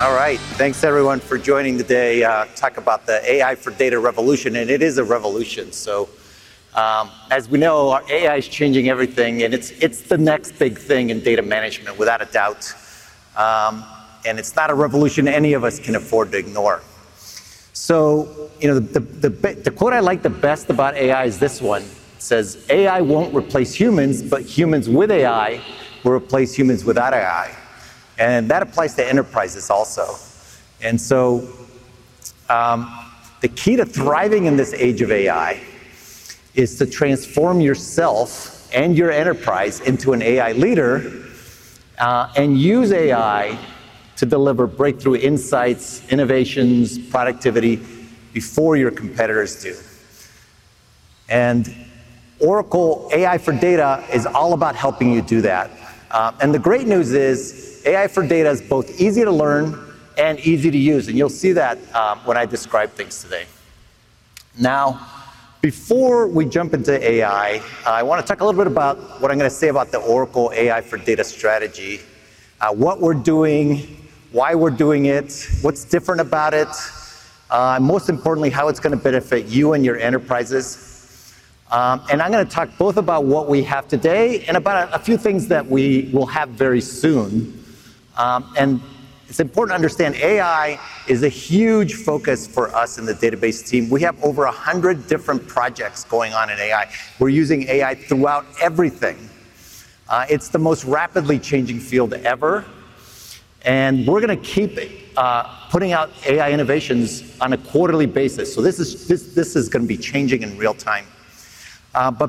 All right, thanks everyone for joining today. Talk about the AI for Data revolution. It is a revolution. As we know, AI is changing everything. It's the next big thing in data management, without a doubt. It's not a revolution any of us can afford to ignore. The quote I like the best about AI is this one. It says AI won't replace humans, but humans with AI will replace humans without AI. That applies to enterprises also. The key to thriving in this age of AI is to transform yourself and your enterprise into an AI leader and use AI to deliver breakthrough insights, innovations, productivity before your competitors do. Oracle AI for Data is all about helping you do that. The great news is AI for Data is both easy to learn and easy to use. You'll see that when I describe things today. Now, before we jump into AI, I want to talk a little bit about what I'm going to say about the Oracle AI for Data strategy. What we're doing, why we're doing it, what's different about it. Most importantly, how it's going to benefit you and your enterprises. I'm going to talk both about what we have today and about a few things that we will have very soon. It's important to understand AI is a huge focus for us in the database team. We have over 100 different projects going on in AI. We're using AI throughout everything. It's the most rapidly changing field ever. We're going to keep putting out AI innovations on a quarterly basis. This is going to be changing in real time.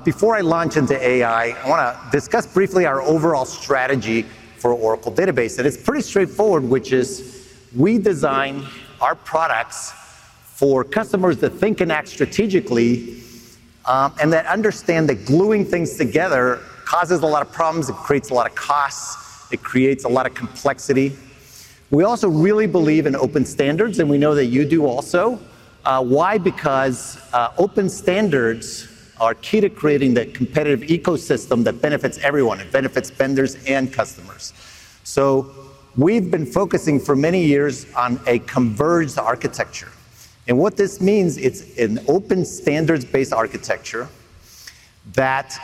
Before I launch into AI, I want to discuss briefly our overall strategy for Oracle Database. It's pretty straightforward, which is we design our products for customers that think and act strategically and that understand that gluing things together causes a lot of problems. It creates a lot of costs, it creates a lot of complexity. We also really believe in open standards and we know that you do also. Why? Because open standards are key to creating the competitive ecosystem that benefits everyone. It benefits vendors and customers. We've been focusing for many years on a converged architecture and what this means. It's an open standards based architecture that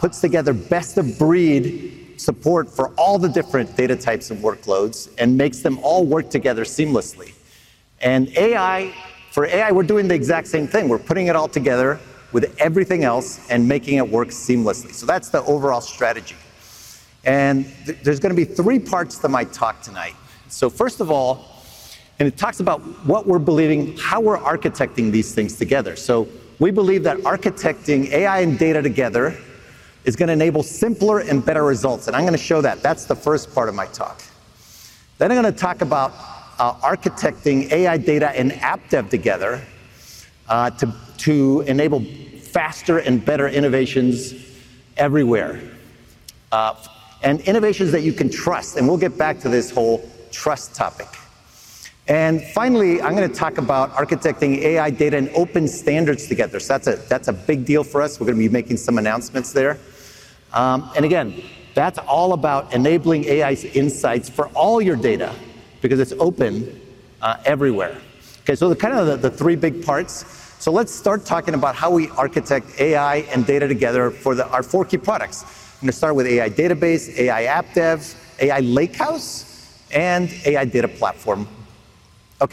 puts together best of breed support for all the different data types of workloads and makes them all work together seamlessly. For AI, we're doing the exact same thing. We're putting it all together with everything else and making it work seamlessly. That's the overall strategy and there are going to be three parts to my talk tonight. First of all, it talks about what we're believing, how we're architecting these things together. We believe that architecting AI and data together is going to enable simpler and better results, and I'm going to show that. That's the first part of my talk. Then I'm going to talk about architecting AI, data, and app dev together to enable faster and better innovations everywhere and innovations that you can trust. We'll get back to this whole trust topic. Finally, I'm going to talk about architecting AI, data, and open standards together. That's a big deal for us. We're going to be making some announcements there. Again, that's all about enabling AI insights for all your data because it's open everywhere. Those are the three big parts. Let's start talking about how we architect AI and data together for our four key products. I'm going to start with AI Database, AI App Dev, AI Lakehouse, and AI Data Platform.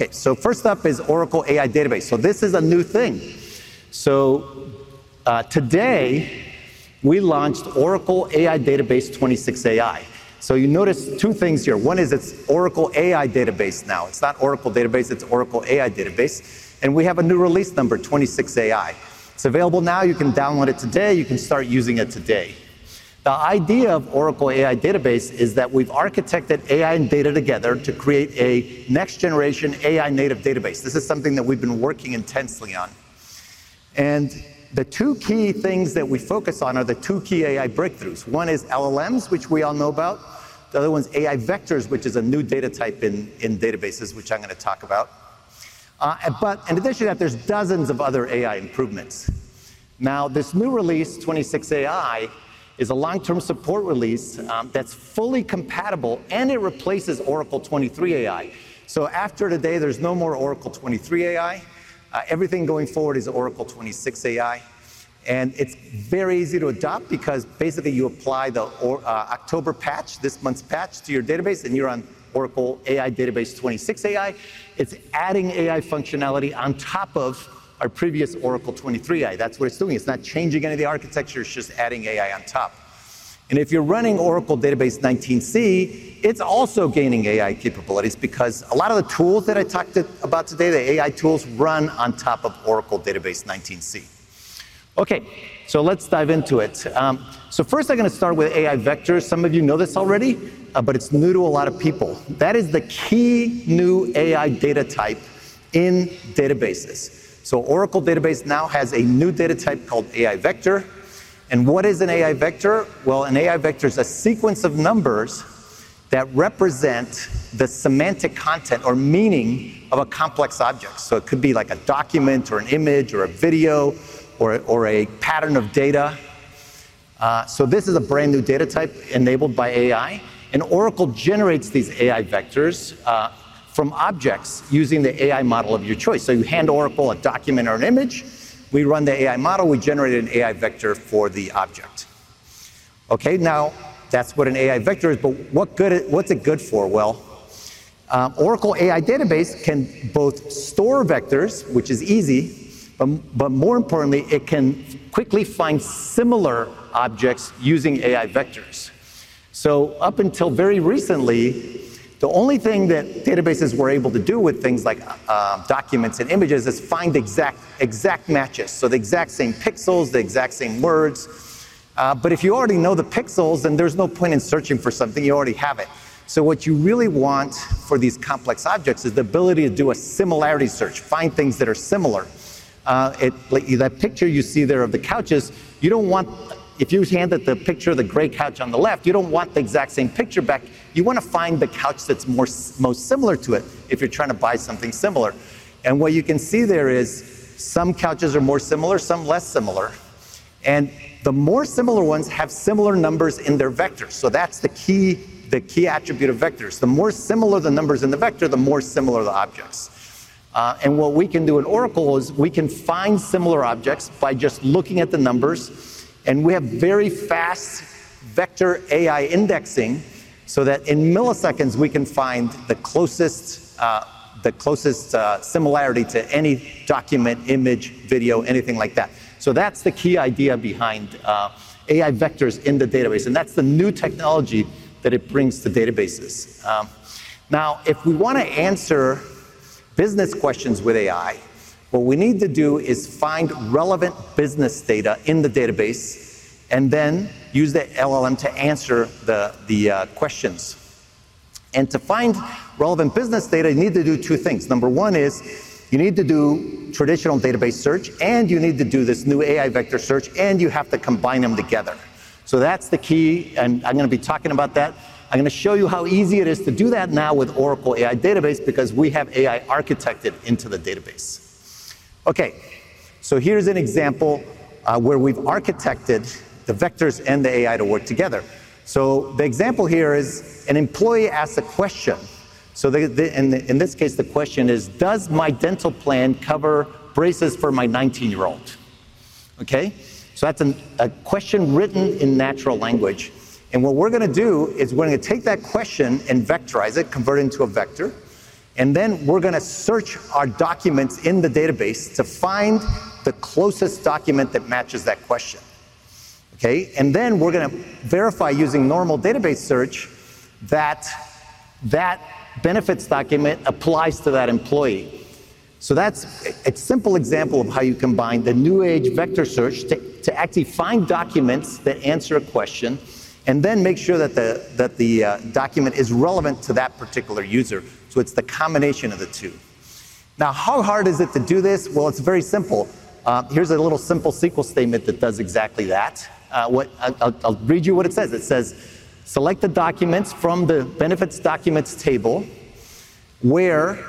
First up is Oracle AI Database. This is a new thing. Today we launched Oracle AI Database 26AI. You notice two things here. One is it's Oracle AI Database. Now it's not Oracle Database, it's Oracle AI Database. We have a new release number, 26AI. It's available now, you can download it today, you can start using it today. The idea of Oracle AI Database is that we've architected AI and data together to create a next generation AI native database. This is something that we've been working intensely on. The two key things that we focus on are the two key AI breakthroughs. One is LLMs, which we all know about. The other one is AI vectors, which is a new data type in databases, which I'm going to talk about. In addition to that, there are dozens of other AI improvements. This new release, 26AI, is a long-term support release that's fully compatible and it replaces Oracle 23AI. After today, there's no more Oracle 23AI. Everything going forward is Oracle 26AI. It's very easy to adopt because basically you apply the October patch, this month's patch, to your database and you're on Oracle AI Database 26AI. It's adding AI functionality on top of our previous Oracle 23AI. That's what it's doing. It's not changing any of the architecture, it's just adding AI on top. If you're running Oracle Database 19C, it's also gaining AI capabilities because a lot of the tools that I talked about today, the AI tools run on top of Oracle Database 19C. Let's dive into it. First, I'm going to start with AI vectors. Some of you know this already, but it's new to a lot of people. That is the key new AI data type in databases. Oracle Database now has a new data type called AI vector. What is an AI vector? An AI vector is a sequence of numbers that represent the semantic content or meaning of a complex object. It could be a document, an image, a video, or a pattern of data. This is a brand new data type enabled by AI. Oracle generates these AI vectors from objects using the AI model of your choice. You hand Oracle a document or an image, we run the AI model, we generate an AI vector for the object. That's what an AI vector is, but what's it good for? Oracle AI Database can both store vectors, which is easy. More importantly, it can quickly find similar objects using AI vectors. Up until very recently, the only thing that databases were able to do with things like documents and images is find exact matches, the exact same pixels, the exact same words. If you already know the pixels, then there's no point in searching for something you already have. What you really want for these complex objects is the ability to do a separate similarity search, find things that are similar. That picture you see there of the couches, if you hand it the picture of the gray couch on the left, you don't want the exact same picture back. You want to find the couch that's most similar to it if you're trying to buy something similar. What you can see there is some couches are more similar, some less similar, and the more similar ones have similar numbers in their vectors. That's the key attribute of vectors. The more similar the numbers in the vector, the more similar the objects. What we can do in Oracle is find similar objects by just looking at the numbers. We have very fast vector AI indexing so that in milliseconds we can find the closest similarity to any document, image, video, anything like that. That's the key idea behind AI vectors in the database. That's the new technology that it brings to databases. Now, if we want to answer business questions with AI, what we need to do is find relevant business data in the database and then use the LLM to answer the questions. To find relevant business data, you need to do two things. Number one is you need to do traditional database search and you need to do this new AI vector search, and you have to combine them together. That's the key, and I'm going to be talking about that. I'm going to show you how easy it is to do that now with Oracle AI Database because we have AI architected into the database. Here's an example where we've architected the vectors and the AI to work together. The example here is an employee asks a question. In this case, the question is, does my dental plan cover braces for my 19 year old? That's a question written in natural language. What we're going to do is we're going to take that question and vectorize it, convert it into a vector, and then we're going to search our documents in the database to find the closest document that matches that question. Then we're going to verify using normal database search that that benefits document applies to that employee. That's a simple example of how you combine the new age vector search to actually find documents that answer a question and then make sure that the document is relevant to that particular user. It's the combination of the two. Now, how hard is it to do this? It's very simple. Here's a little simple SQL statement that does exactly that. I'll read you what it says. It says select the documents from the benefits documents table where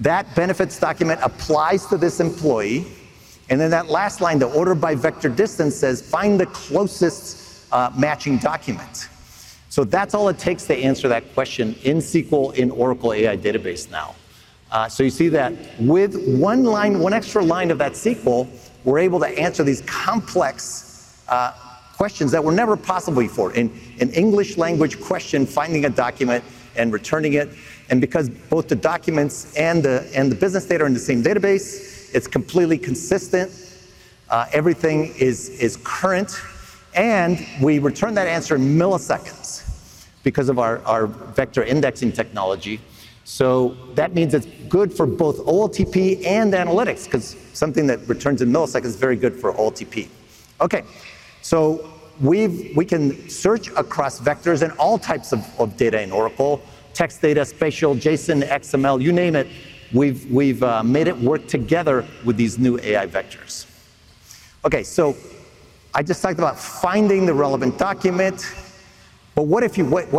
that benefits document applies to this employee. That last line, the order by vector distance, says find the closest matching document. That's all it takes to answer that question in SQL in Oracle AI Database. You see that with one line, one extra line of that SQL, we're able to answer these complex questions that were never possible before. An English language question, finding a document and returning it. Because both the documents and the business data are in the same database, it's completely consistent, everything is current. We return that answer in milliseconds because of our vector indexing technology. That means it's good for both OLTP and analytics because something that returns in milliseconds is very good for OLTP. We can search across vectors and all types of data in Oracle. Text, data spatial, JSON, XML, you name it, we've made it work together with these new AI vectors. I just talked about finding the relevant document, but what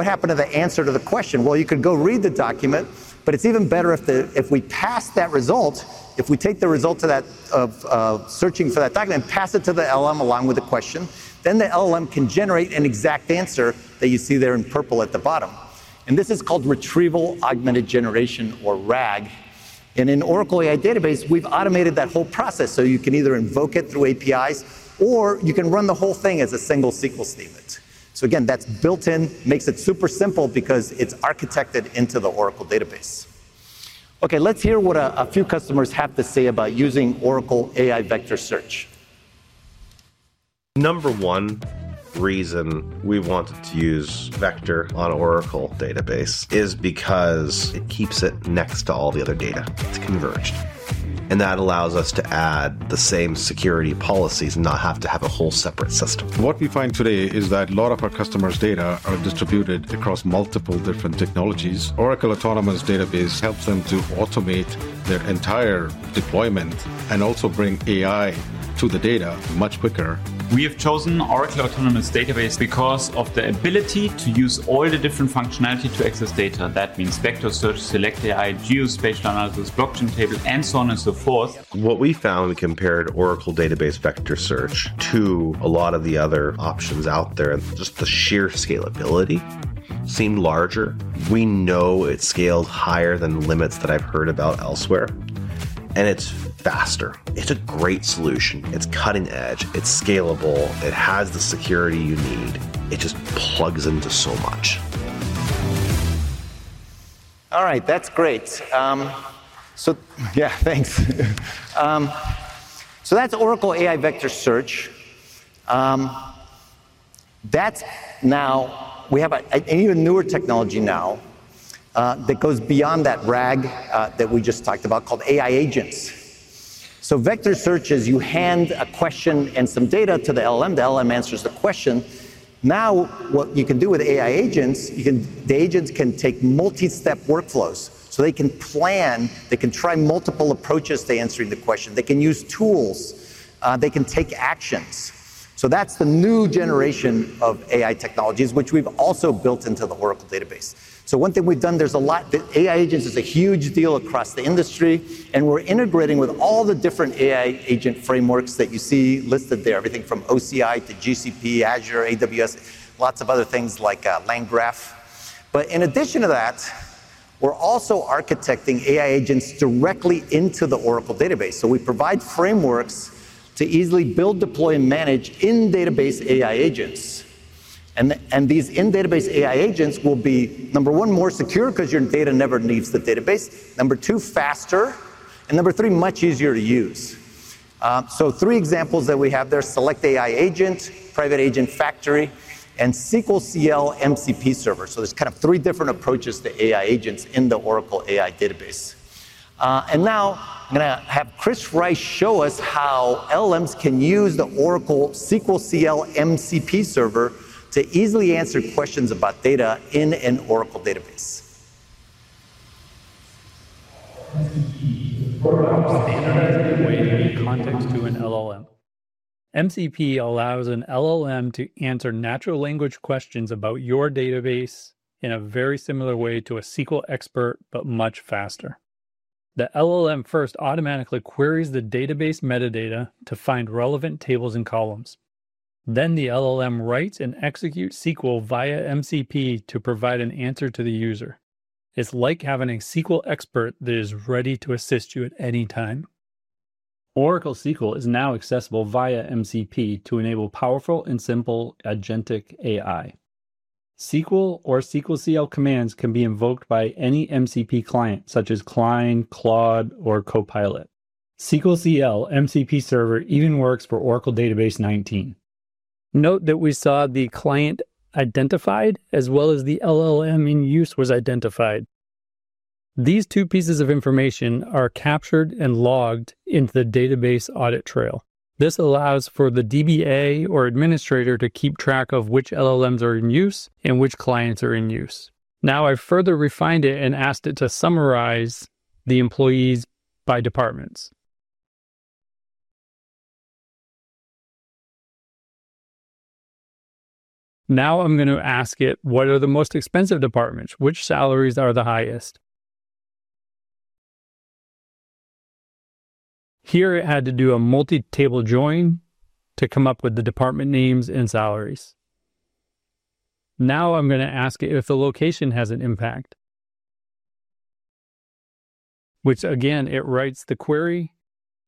happened to the answer to the question? You could go read the document. It's even better if we take the results of searching for that document and pass it to the LLM along with the question, then the LLM can generate an exact answer that you see there in purple at the bottom. This is called retrieval augmented generation or RAG. In Oracle AI Database, we've automated that whole process so you can either invoke it through APIs or you can run the whole thing as a single SQL statement. That's built in, makes it super simple because it's architected into the Oracle database. Let's hear what a few customers have to say about using Oracle AI Vector Search. Number one reason we wanted to use Vector on Oracle Database is because it. Keeps it next to all the other. Data, it's converged, and that allows us. To add the same security policies and. Not have to have a whole separate system. What we find today is that a lot of our customers' data are distributed across multiple, multiple different technologies. Oracle Autonomous Database helps them to automate their entire deployment and also bring AI. To the data much quicker. We have chosen Oracle Autonomous Database because of the ability to use all the different functionality to access data. That means vector search, select AI, geospatial analysis, blockchain table, and so on and so forth. What we found, we compared Oracle Database. Vector search to a lot of the. Other options out there. Just the sheer scalability seemed larger. We know it scaled higher than limits that I've heard about elsewhere. It's faster, it's a great solution, it's cutting edge, it's scalable, it has the security you need, it just plugs into so much. All right, that's great. Thanks. That's Oracle AI vector search. That'S. Now we have an even newer technology now that goes beyond that RAG that we just talked about called AI agents. Vector searches, you hand a question and some data to the LLM, the LLM answers the question. Now what you can do with AI agents, the agents can take multi-step workflows, they can plan, they can try multiple approaches to answering the question, they can use tools, they can take actions. That's the new generation of AI technologies which we've also built into the Oracle database. One thing we've done, AI agents is a huge deal across the industry and we're integrating with all the different AI agent frameworks that you see listed there. Everything from OCI to GCP, Azure, AWS, lots of other things like LangGraph. In addition to that, we're also architecting AI agents directly into the Oracle database. We provide frameworks to easily build, deploy, and manage in-database AI agents. These in-database AI agents will be, number one, more secure because your data never leaves the database, number two, faster, and number three, much easier to use. Three examples that we have there: Select AI Agent, Private Agent Factory, and SQLcl MCP Server. There's kind of three different approaches to AI agents in the Oracle AI Database. Now I'm going to have Kris Rice show us how LLMs can use the Oracle SQLcl MCP Server to easily answer questions about data in an Oracle database. MCP allows an LLM to answer natural language questions about your database in a very similar way to a SQL expert, but much faster. The LLM first automatically queries the database metadata to find relevant tables and columns. Then the LLM writes and executes SQL via MCP to provide an answer to the user. It's like having a SQL expert that is ready to assist you at any time. Oracle SQL is now accessible via MCP to enable powerful and simple agentic AI. SQL or SQLcl commands can be invoked by any MCP client such as Client, Claude, or Copilot. SQLcl MCP server even works for Oracle Database 19. Note that we saw the client identified as well as the LLM in use was identified. These two pieces of information are captured and logged into the database audit trail. This allows for the DBA or administrator to keep track of which LLMs are in use and which clients are in use. Now I've further refined it and asked it to summarize the employees by departments. Now I'm going to ask it what are the most expensive departments, which salaries are the highest. Here it had to do a multi-table join to come up with the department names and salaries. Now I'm going to ask it if the location has an impact, which again it writes the query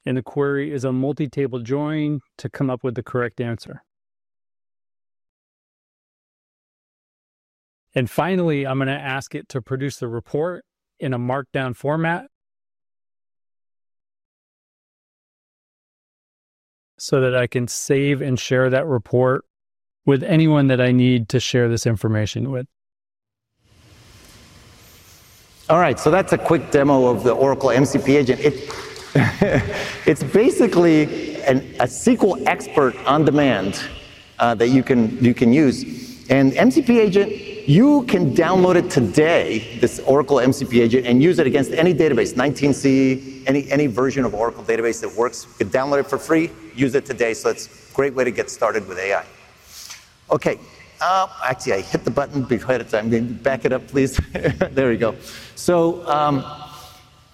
and the query is a multi-table join to come up with the correct answer. Finally, I'm going to ask it to produce the report in a markdown format so that I can save and share that report with anyone that I need to share this information with. All right, so that's a quick demo of the Oracle MCP Agent. It's basically a SQL Expert on demand that you can use and MCP Agent. You can download it today, this Oracle MCP Agent, and use it against any database. 19c, any version of Oracle database that works, you can download it for free. Use it today. It's a great way to get started with AI. Actually, I hit the button ahead of time. Back it up, please. There we go.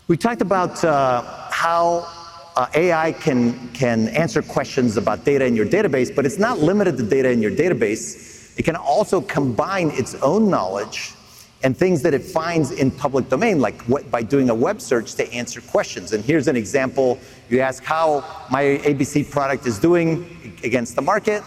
We talked about how AI can answer questions about data in your database, but it's not limited to data in your database. It can also combine its own knowledge and things that it finds in public domain, like by doing a web search to answer questions. Here's an example. You ask how my ABC product is doing against the market.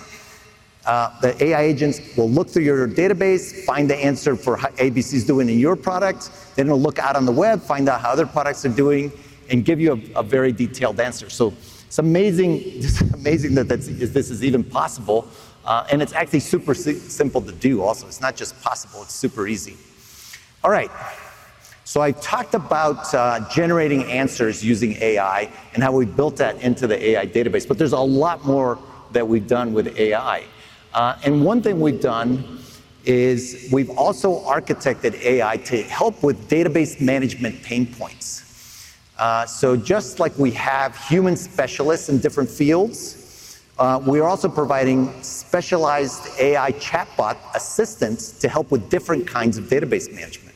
The AI agents will look through your database, find the answer for how ABC is doing in your product. It will look out on the web, find out how their products are doing, and give you a very detailed answer. It's amazing that this is even possible. It's actually super simple to do also. It's not just possible, it's super easy. I talked about generating answers using AI and how we built that into the AI database. There's a lot more that we've done with AI, and one thing we've done is we've also architected AI to help with database management pain points. Just like we have human specialists in different fields, we are also providing specialized AI chatbot assistance to help with different kinds of database management.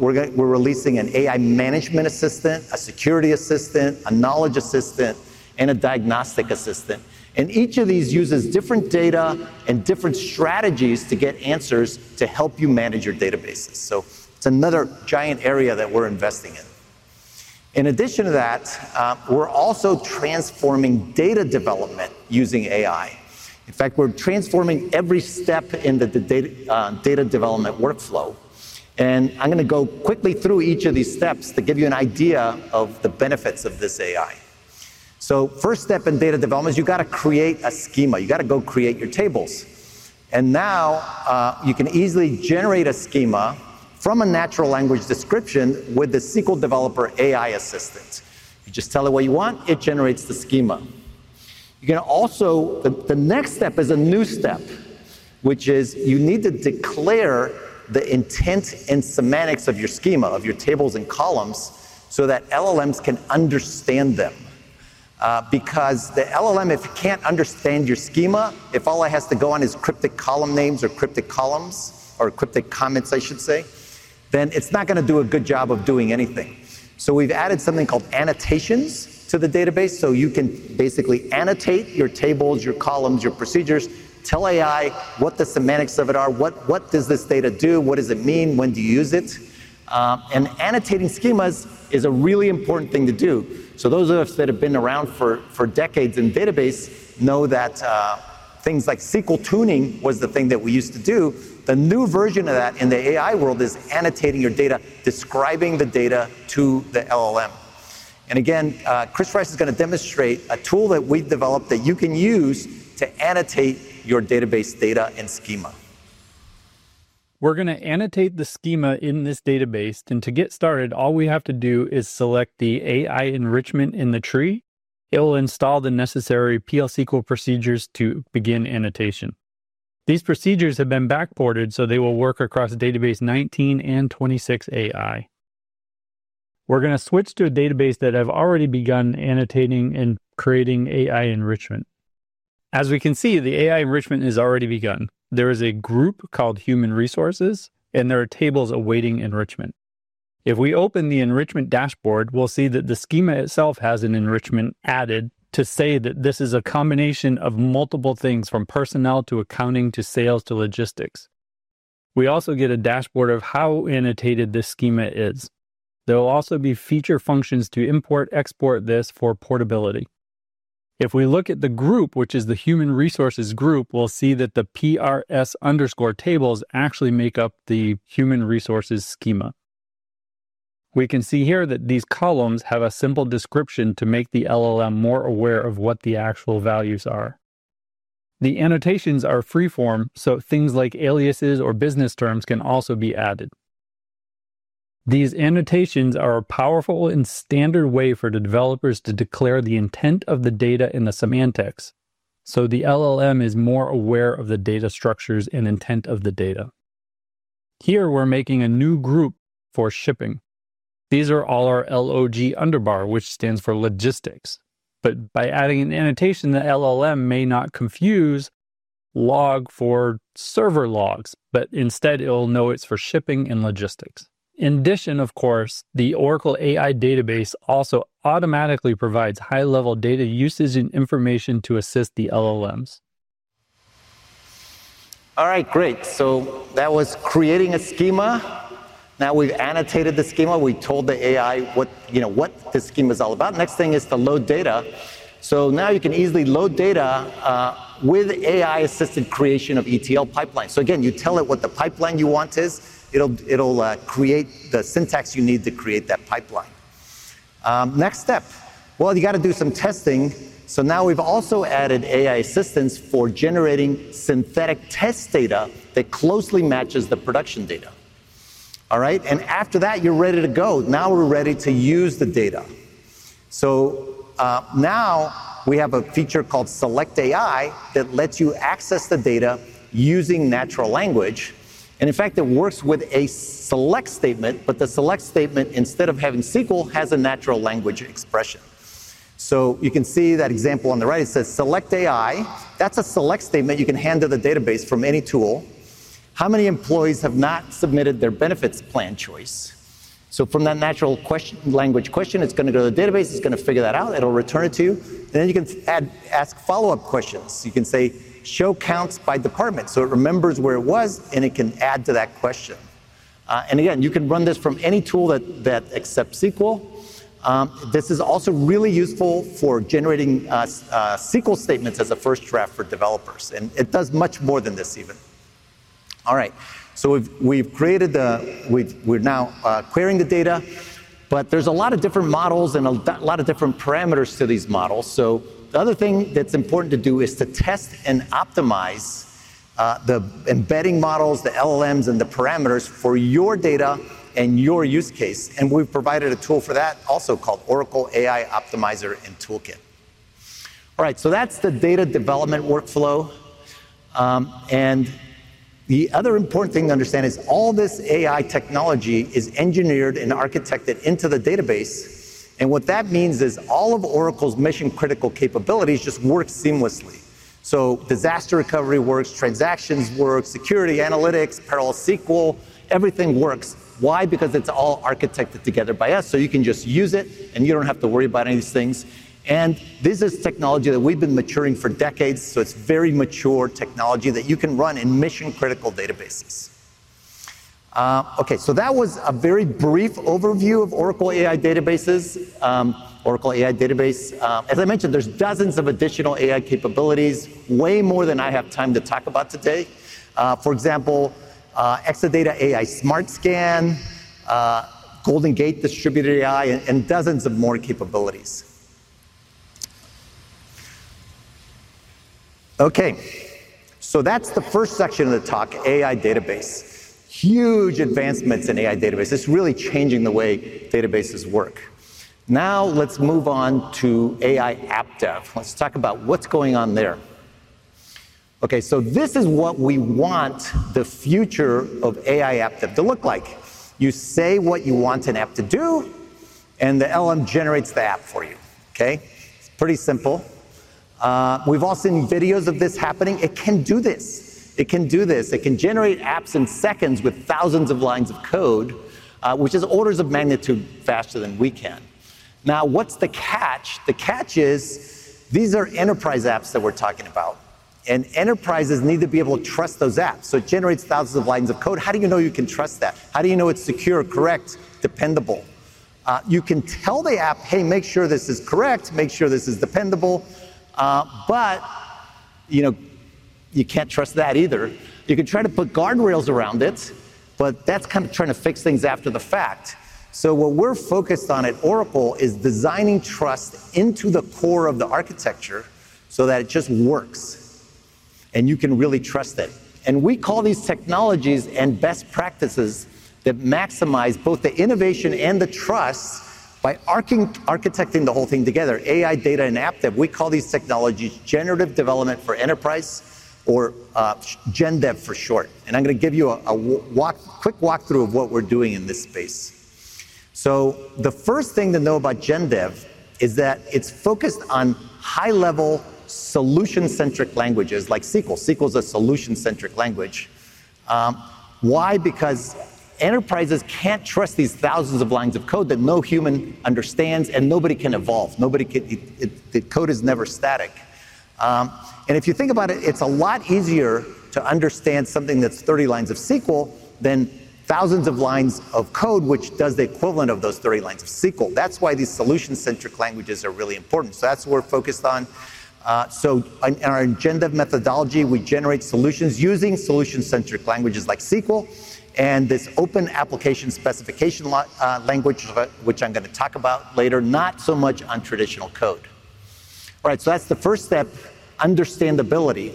We're releasing an AI management assistant, a security assistant, a knowledge assistant, and a diagnostic assistant. Each of these uses different data and different strategies to get answers to help you manage your databases. It's another giant area that we're investing in. In addition to that, we're also transforming data development using AI. In fact, we're transforming every step in the data development workflow. I'm going to go quickly through each of these steps to give you an idea of the benefits of this AI. First step in data development is you got to create a schema. You got to go create your tables. Now, you can easily generate a schema from a natural language description with the SQL Developer AI Assistant. You just tell it what you want, it generates the schema. You can also. The next step is a new step, which is you need to declare the intent and semantics of your schema, of your tables and columns, so that LLMs can understand them. Because the LLM, if you can't understand your schema, if all it has to go on is cryptic column names or cryptic columns or cryptic comments, I should say, then it's not going to do a good job of doing anything. We've added something called annotations to the database. You can basically annotate your tables, your columns, your procedures, tell AI what the semantics of it are. What does this data do? What does it mean? When do you use it? Annotating schemas is a really important thing to do. Those of us that have been around for decades in database know that things like SQL tuning was the thing that we used to do. The new version of that in the AI world is annotating your data, describing the data to the LLM. Again, Kris Rice is going to demonstrate a tool that we developed that you can use to annotate your database data and schema. We're going to annotate the schema in this database and to get started all we have to do is select the AI enrichment in the tree. It will install the necessary PL/SQL procedures to begin annotation. These procedures have been backported so they will work across Database 19 and 26AI. We're going to switch to a database that has already begun annotating and creating AI enrichment. As we can see, the AI enrichment has already begun. There is a group called Human Resources and there are tables awaiting enrichment. If we open the enrichment dashboard, we'll see that the schema itself has an enrichment added to say that this is a combination of multiple things from personnel to accounting to sales to logistics. We also get a dashboard of how annotated this schema is. There will also be feature functions to import/export this for portability. If we look at the group, which is the Human Resources group, we'll see that the PRS_tables actually make up the Human Resources schema. We can see here that these columns have a simple description to make the LLM more aware of what the actual values are. The annotations are freeform, so things like aliases or business terms can also be added. These annotations are a powerful and standard way for the developers to declare the intent of the data in the semantics. So the LLM is more aware of the data structures and intent of the data. Here we're making a new group for shipping. These are all our logunderbar, which stands for logistics. By adding an annotation, the LLM may not confuse log for server logs, but instead it'll know it's for shipping and logistics. In addition, of course, the Oracle AI Database also automatically provides high-level data usage and information to assist the LLMs. All right, great. That was creating a schema. Now we've annotated the schema, we told the AI what this schema is all about. Next thing is to load data. Now you can easily load data with AI-assisted creation of ETL pipelines. You tell it what the pipeline you want is, it'll create the syntax you need to create that pipeline. Next step, you have to do some testing. We've also added AI assistance for generating synthetic test data that closely matches the production data. After that you're ready to go. Now we're ready to use the data. We have a feature called Select AI that lets you access the data using natural language. In fact, it works with a select statement. The select statement, instead of having SQL, has a natural language expression. You can see that example on the right, it says select AI. That's a select statement you can hand to the database from any tool. How many employees have not submitted their benefits plan choice? From that natural language question, it's going to go to the database, it's going to figure that out, it'll return it to you, then you can ask follow-up questions, you can say show counts by department, so it remembers where it was and it can add to that question. You can run this from any tool that accepts SQL. This is also really useful for generating SQL statements as a first draft for developers. It does much more than this even. We've created the, we're now querying the data, but there's a lot of different models and a lot of different parameters to these models. The other thing that's important to do is to test and optimize the embedding models, the LLMs, and the parameters for your data and your use case. We've provided a tool for that also called Oracle AI Optimizer in toolkit. That's the data development workflow. The other important thing to understand is all this AI technology is engineered and architected into the database. What that means is all of Oracle's mission critical capabilities just work seamlessly. Disaster recovery works, transactions work, security analytics, parallel SQL, everything works. Why? Because it's all architected together by us. You can just use it and you don't have to worry about any of these things. This is technology that we've been maturing for decades. It's very mature technology that you can run in mission critical databases. Okay, so that was a very brief overview of Oracle AI databases. Oracle AI Database, as I mentioned, there's dozens of additional AI capabilities, way more than I have time to talk about today. For example, Exadata AI, Smart Scan, GoldenGate Distributed AI, and dozens of more capabilities. That's the first section of the talk, AI database. Huge advancements in AI database. It's really changing the way databases work. Now let's move on to AI app dev. Let's talk about what's going on there. This is what we want the future of AI app to look like. You say what you want an app to do and the LLM generates the app for you. It's pretty simple. We've all seen videos of this happening. It can do this. It can generate apps in seconds with thousands of lines of code, which is orders of magnitude faster than we can now. What's the catch? The catch is these are enterprise apps that we're talking about and enterprises need to be able to trust those apps. It generates thousands of lines of code. How do you know you can trust that? How do you know it's secure, correct, dependable? You can tell the app, hey, make sure this is correct, make sure this is dependable. You can't trust that either. You can try to put guardrails around it, but that's kind of trying to fix things after the fact. What we're focused on at Oracle is designing trust into the core of the architecture so that it just works and you can really trust it. We call these technologies and best practices that maximize both the innovation and the trust by architecting the whole thing together. AI data and app dev, we call these technologies Trust Generative Development for Enterprise, or GenDev for short. I'm going to give you a quick walkthrough of what we're doing in this space. The first thing to know about GenDev is that it's focused on high-level solution-centric languages like SQL. SQL is a solution-centric language. Why? Because enterprises can't trust these thousands of lines of code that no human understands and nobody can evolve, nobody could. The code is never static. If you think about it, it's a lot easier to understand something that's 30 lines of SQL than thousands of lines of code which does the equivalent of those 30 lines of SQL. That's why these solution-centric languages are really important. That's what we're focused on. Our GenDev methodology. We generate solutions using solution-centric languages like SQL and this open application specification language, which I'm going to talk about later, not so much on traditional code. That's the first step, understandability.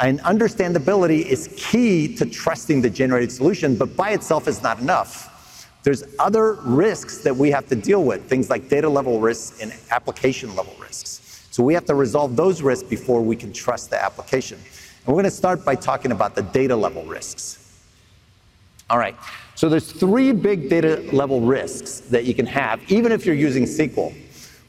Understandability is key to trusting the generated solution, but by itself is not enough. There are other risks that we have to deal with, things like data-level risks and application-level risks. We have to resolve those risks before we can trust the application. We're going to start by talking about the data-level risks. There are three big data-level risks that you can have even if you're using SQL.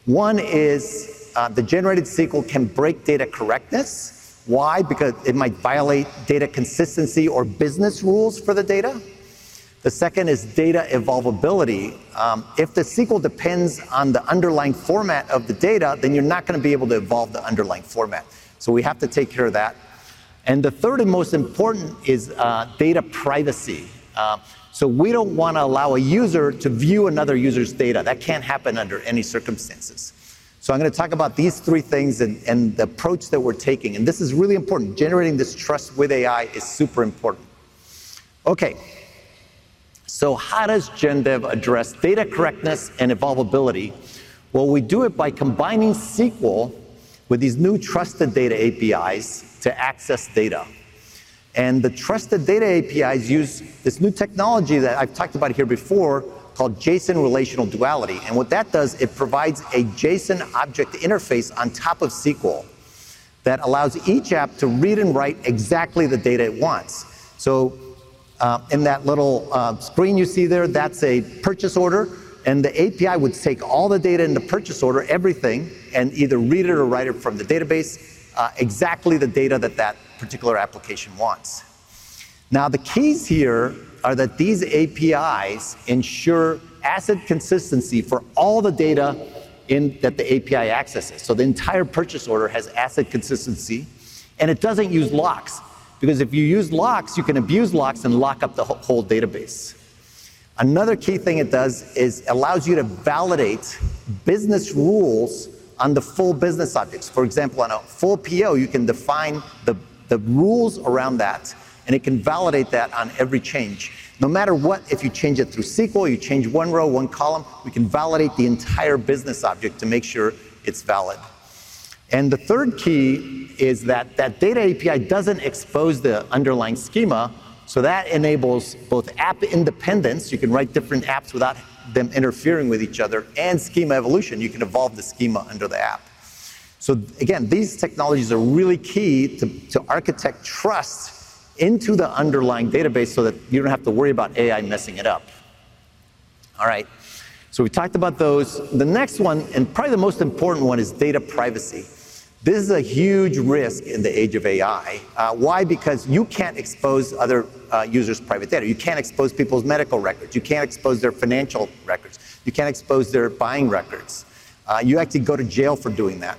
One is the generated SQL can break data correctness. Why? Because it might violate data consistency or business rules for the data. The second is data evolvability. If the SQL depends on the underlying format of the data, then you're not going to be able to evolve the underlying format. We have to take care of that. The third and most important is data privacy. We don't want to allow a user to view another user's data. That can't happen under any circumstances. I'm going to talk about these three things and the approach that we're taking. This is really important. Generating this trust with AI is super important. How does GenDev address data correctness and evolvability? We do it by combining SQL with these new trusted data APIs to access data. The trusted data APIs use this new technology that I've talked about here before called JSON Relational Duality. What that does is it provides a JSON object interface on top of SQL that allows each app to read and write exactly the data it wants. In that little screen you see there, that's a purchase order. The API would take all the data in the purchase order, everything, and either read it or write it from the database, exactly the data that that particular application wants. The keys here are that these APIs ensure ACID consistency for all the data that the API accesses. The entire purchase order has ACID consistency. It doesn't use locks, because if you use locks, you can abuse locks and lock up the whole database. Another key thing it does is allow you to validate business rules on the full business objects. For example, on a full PO, you can define the rules around that and it can validate that on every change, no matter what. If you change it through SQL, you change one row, one column, we can validate the entire business object to make sure it's valid. The third key is that that data API doesn't expose the underlying schema. That enables both app independence. You can write different apps without them interfering with each other, and schema evolution. You can evolve the schema under the app. These technologies are really key to architect trust into the underlying database so that you don't have to worry about AI messing it up. We talked about those. The next one, and probably the most important one, is data privacy. This is a huge risk in the age of AI. Why? Because you can't expose other users' private data. You can't expose people's medical records, you can't expose their financial records, you can't expose their buying records. You actually go to jail for doing that.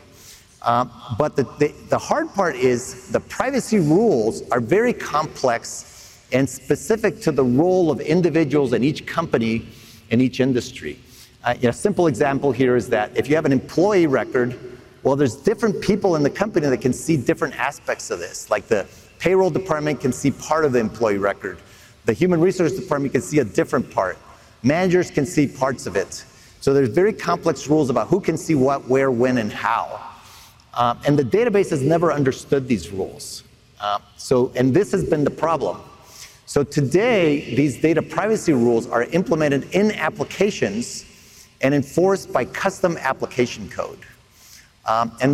The hard part is the privacy rules are very complex and specific to the role of individuals in each company, in each industry. A simple example here is that if you have an employee record, there are different people in the company that can see different aspects of this. The payroll department can see part of the employee record. The human resource department can see a different part. Managers can see parts of it. There are very complex rules about who can see what, where, when, and how. The database has never understood these rules. This has been the problem. Today these data privacy rules are implemented in applications and enforced by custom application code.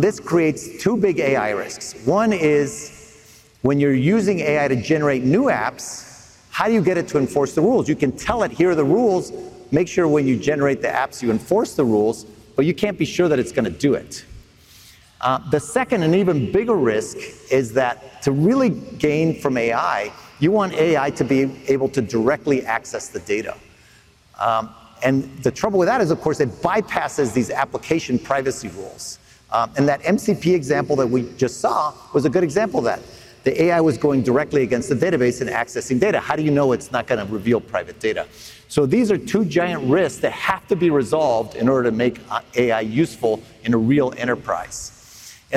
This creates two big AI risks. One is, when you're using AI to generate new apps, how do you get it to enforce the rules? You can tell it, here are the rules. Make sure when you generate the apps, you enforce the rules, but you can't be sure that it's going to do it. The second and even bigger risk is that to really gain from AI, you want AI to be able to directly access the data. The trouble with that is, of course, it bypasses these application privacy rules. That MCP example that we just saw was a good example of that. The AI was going directly against the database and accessing data. How do you know it's not going to reveal private data? These are two giant risks that have to be resolved in order to make AI useful in a real enterprise.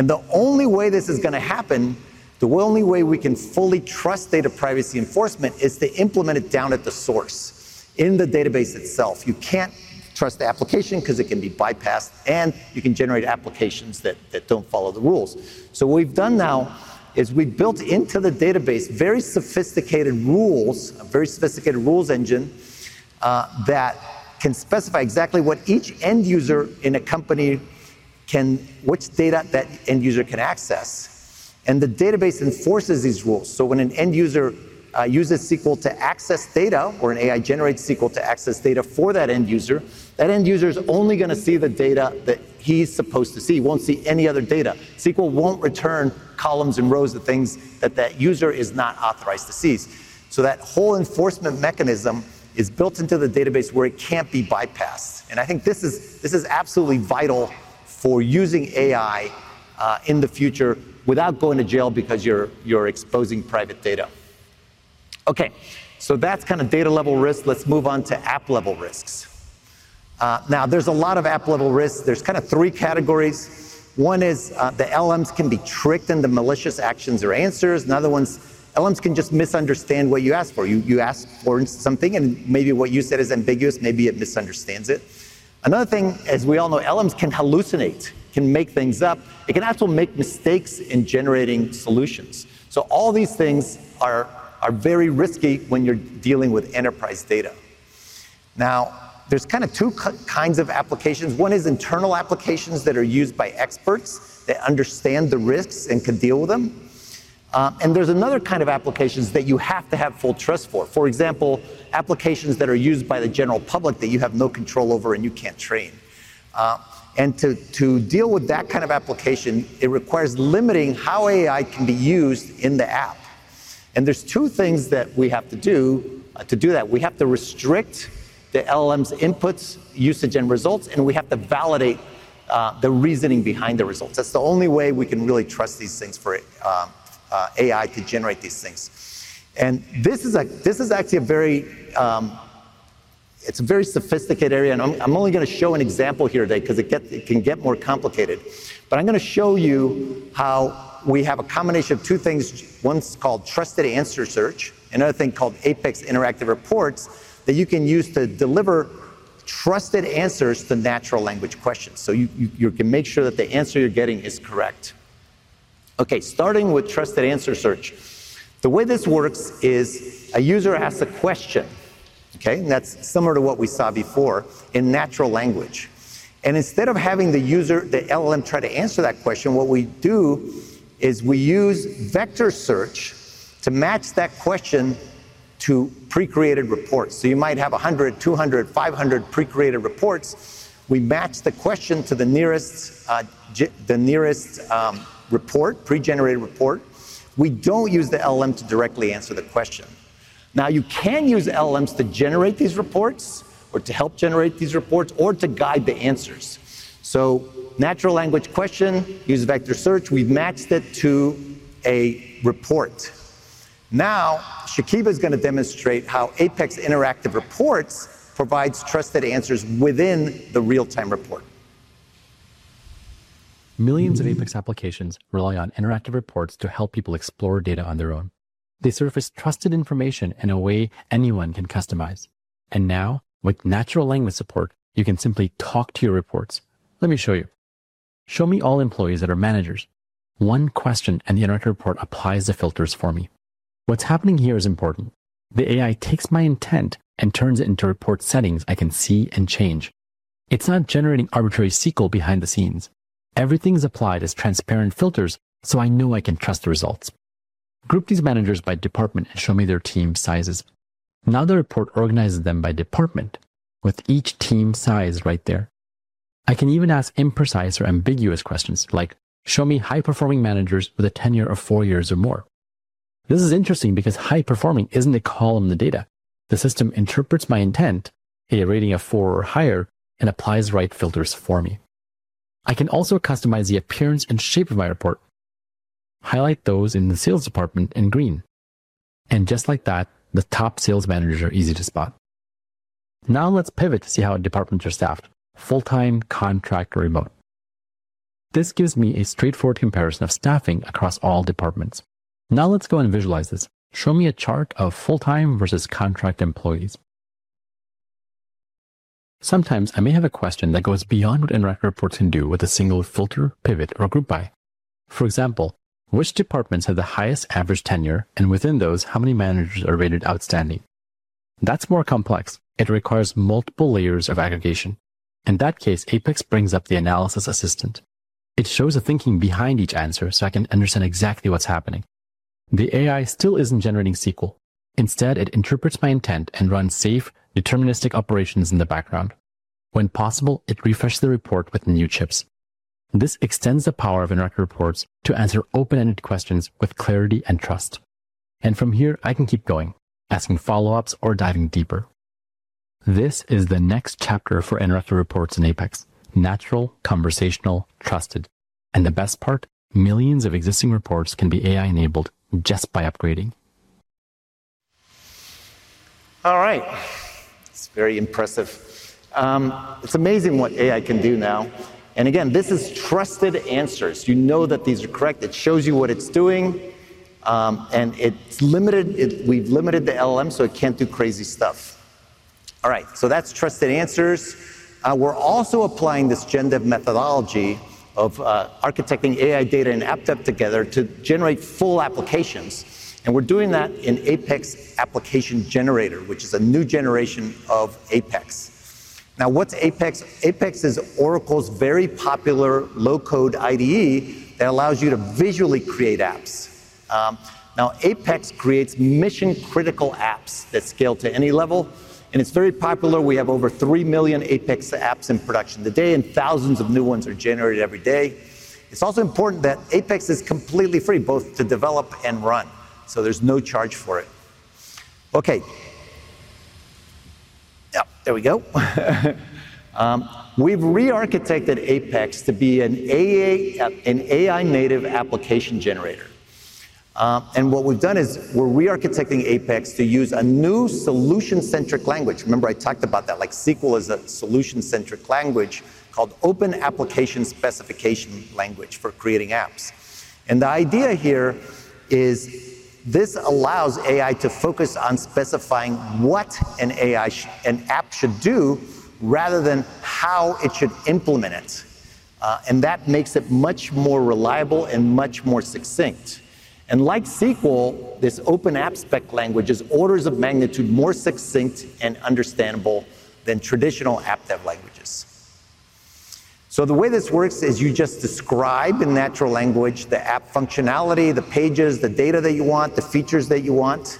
The only way this is going to happen, the only way we can fully trust data privacy enforcement, is to implement it down at the source in the database itself. You can't trust the application because it can be bypassed and you can generate applications that don't follow the rules. What we've done now is we built into the database very sophisticated rules, a very sophisticated rules engine that can specify exactly what each end user in a company can, which data that end user can access. The database enforces these rules. When an end user uses SQL to access data, or an AI generates SQL to access data for that end user, that end user is only going to see the data that he's supposed to see. Won't see any other data. SQL won't return columns and rows, the things that that user is not authorized to see. That whole enforcement mechanism is built into the database where it can't be bypassed. I think this is absolutely vital for using AI in the future without going to jail because you're exposing private data. That's kind of data level risk. Let's move on to app level risks. There are a lot of app level risks. There are three categories. One is the LLMs can be tricked into malicious actions or answers and other ones LLMs can just misunderstand what you ask for. You ask for something and maybe what you said is ambiguous, maybe it misunderstands it. Another thing, as we all know, LLMs can hallucinate, can make things up, it can actually make mistakes in generating solutions. All these things are very risky when you're dealing with enterprise data. There are two kinds of applications. One is internal applications that are used by experts that understand the risks and can deal with them. There's another kind of applications that you have to have full trust for. For example, applications that are used by the general public that you have no control over and you can't train. To deal with that kind of application, it requires limiting how AI can be used in the app. There are two things that we have to do to do that. We have to restrict the LLM's inputs, usage, and results. We have to validate the reasoning behind the results. That's the only way we can really trust these things for AI to generate these things. This is actually a very sophisticated area. I'm only going to show an example here today because it can get more complicated. I'm going to show you how. We have a combination of two things. One's called Trusted Answer Search, another thing called APEX Interactive Reports that you can use to deliver trusted answers to natural language questions. You can make sure that the answer you're getting is correct. Okay? Starting with Trusted Answer Search, the way this works is a user asks a question, okay? That's similar to what we saw before in natural language. Instead of having the user, the LLM, try to answer that question, what we do is we use vector search to match that question to pre-created reports. You might have 100, 200, 500 pre-created reports. We match the question to the nearest pre-generated report. We don't use the LLM to directly answer the question. You can use LLMs to generate these reports or to help generate these reports, or to guide the answer. Natural language question, use vector search. We've matched it to a report. Now Shakeeb is going to demonstrate how APEX Interactive Reports provides trusted answers within the real-time report. Millions of APEX applications rely on interactive reports to help people explore data on their own. They surface trusted information in a way anyone can customize. Now with natural language support, you can simply talk to your reports. Let me show you. Show me all employees that are managers. One question and the interactive report applies the filters. For me, what's happening here is important. The AI takes my intent and turns it into report settings I can see and change. It's not generating arbitrary SQL behind the scenes. Everything is applied as transparent filters, so I know I can trust the results. Group these managers by department and show me their team sizes. Now the report organizes them by department with each team size right there. I can even ask imprecise or ambiguous questions like show me high performing managers with a tenure of four years or more. This is interesting because high performing isn't a column in the data. The system interprets my intent, a rating of 4 or higher, and applies the right filters for me. I can also customize the appearance and shape of my report. Highlight those in the sales department in green. Just like that, the top sales managers are easy to spot. Now let's pivot to see how departments are staffed: full time, contract, remote. This gives me a straightforward comparison of staffing across all departments. Now let's go and visualize this. Show me a chart of full time versus contract employees. Sometimes I may have a question that goes beyond what interactive reports can do with a single filter, pivot, or group by. For example, which departments have the highest average tenure? Within those, how many managers are rated outstanding? That's more complex. It requires multiple layers of aggregation. In that case, APEX brings up the analysis assistant. It shows the thinking behind each answer so I can understand exactly what's happening. The AI still isn't generating SQL. Instead, it interprets my intent and runs safe, deterministic operations in the background. When possible, it refreshes the report with new chips. This extends the power of interactive reports to answer open ended questions with clarity and trust. From here I can keep going, asking follow ups or diving deeper. This is the next chapter for interactive reports in APEX: natural, conversational, trusted, and the best part, millions of existing reports can be AI enabled just by upgrading. All right. It's very impressive. It's amazing what AI can do now. This is Trusted Answers. You know that these are correct. It shows you what it's doing. It's limited. We've limited the LLM so it can't do crazy stuff. That's Trusted Answers. We're also applying this GenDev methodology of architecting AI data and app dev together to generate full applications. We're doing that in APEX Application Generator, which is a new generation of APEX. Now, what's APEX? APEX is Oracle's very popular low code IDE that allows you to visually create apps. APEX creates mission critical apps that scale to any level and it's very popular. We have over 3 million APEX apps in production today and thousands of new ones are generated every day. It's also important that APEX is completely free both to develop and run, so there's no charge for it. We've rearchitected APEX to be an AI native application generator. What we've done is we're rearchitecting APEX to use a new solution centric language. Remember I talked about that, like SQL is a solution centric language called Open Application Specification Language for creating apps. The idea here is this allows AI to focus on specifying what an app should do rather than how it should implement it. That makes it much more reliable and much more succinct. Like SQL, this open app spec language is orders of magnitude more succinct and understandable than traditional app dev language. The way this works is you just describe in natural language the app functionality, the pages, the data that you want, the features that you want,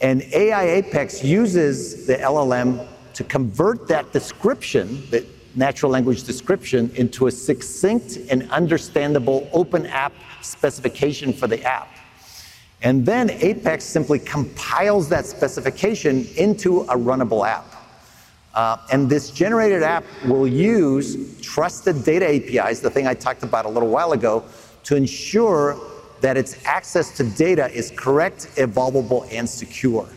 and AI. APEX uses the LLM to convert that description, the natural language description, into a succinct and understandable open app specification for the app. Then APEX simply compiles that specification into a runnable app. This generated app will use trusted data APIs, the thing I talked about a little while ago, to ensure that its access to data is correct, evolvable, and secure.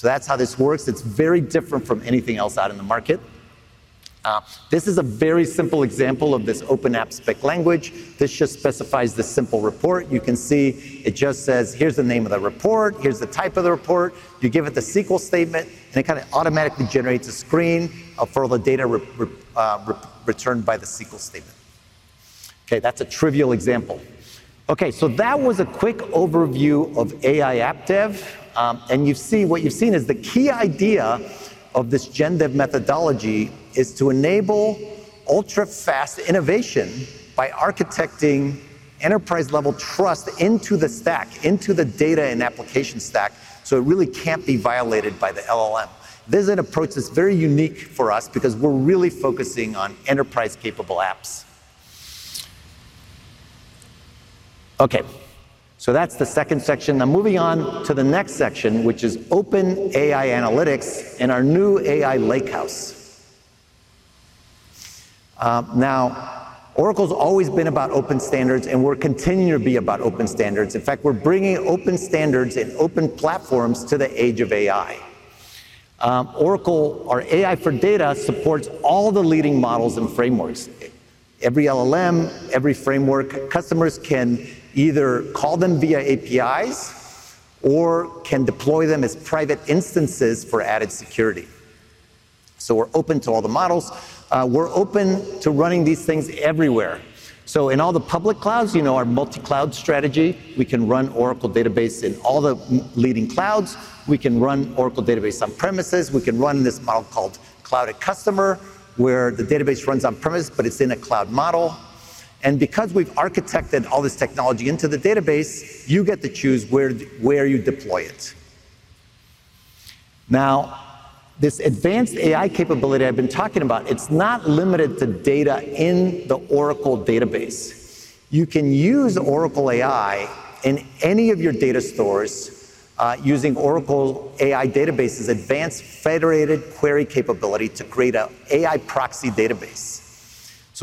That's how this works. It's very different from anything else out in the market. This is a very simple example of this open app spec language. This just specifies the simple report. You can see it just says here's the name of the report, here's the type of the report, you give it the SQL statement and it automatically generates a screen for all the data returned by the SQL statement. That's a trivial example. Okay, so that was a quick overview of AI app Dev and you see what you've seen is the key idea of this GenDev methodology is to enable ultra fast innovation by architecting enterprise level trust into the stack, into the data and application stack, so it really can't be violated by the LLM. This is an approach that's very unique for us because we're really focusing on enterprise capable apps. Okay, so that's the second section. Now moving on to the next section, which is OpenAI analytics in our new AI lakehouse. Now, Oracle's always been about open standards and we're continuing to be about open standards. In fact, we're bringing open standards and open platforms to the age of AI. Oracle, our AI for data, supports all the leading models and frameworks. Every LLM, every framework, customers can either call them via APIs or can deploy them as private instances for added security. We're open to all the models, we're open to running these things everywhere. In all the public clouds, you know our multi cloud strategy, we can run Oracle database in all the leading clouds. We can run Oracle database on premises, we can run this model called Cloud at Customer where the database runs on premise, but it's in a cloud model. Because we've architected all this technology into the database, you get to choose where you deploy it. Now this advanced AI capability I've been talking about, it's not limited to data in the Oracle database. You can use Oracle AI in any of your data stores using Oracle AI Database's advanced federated query capability to create an AI proxy database.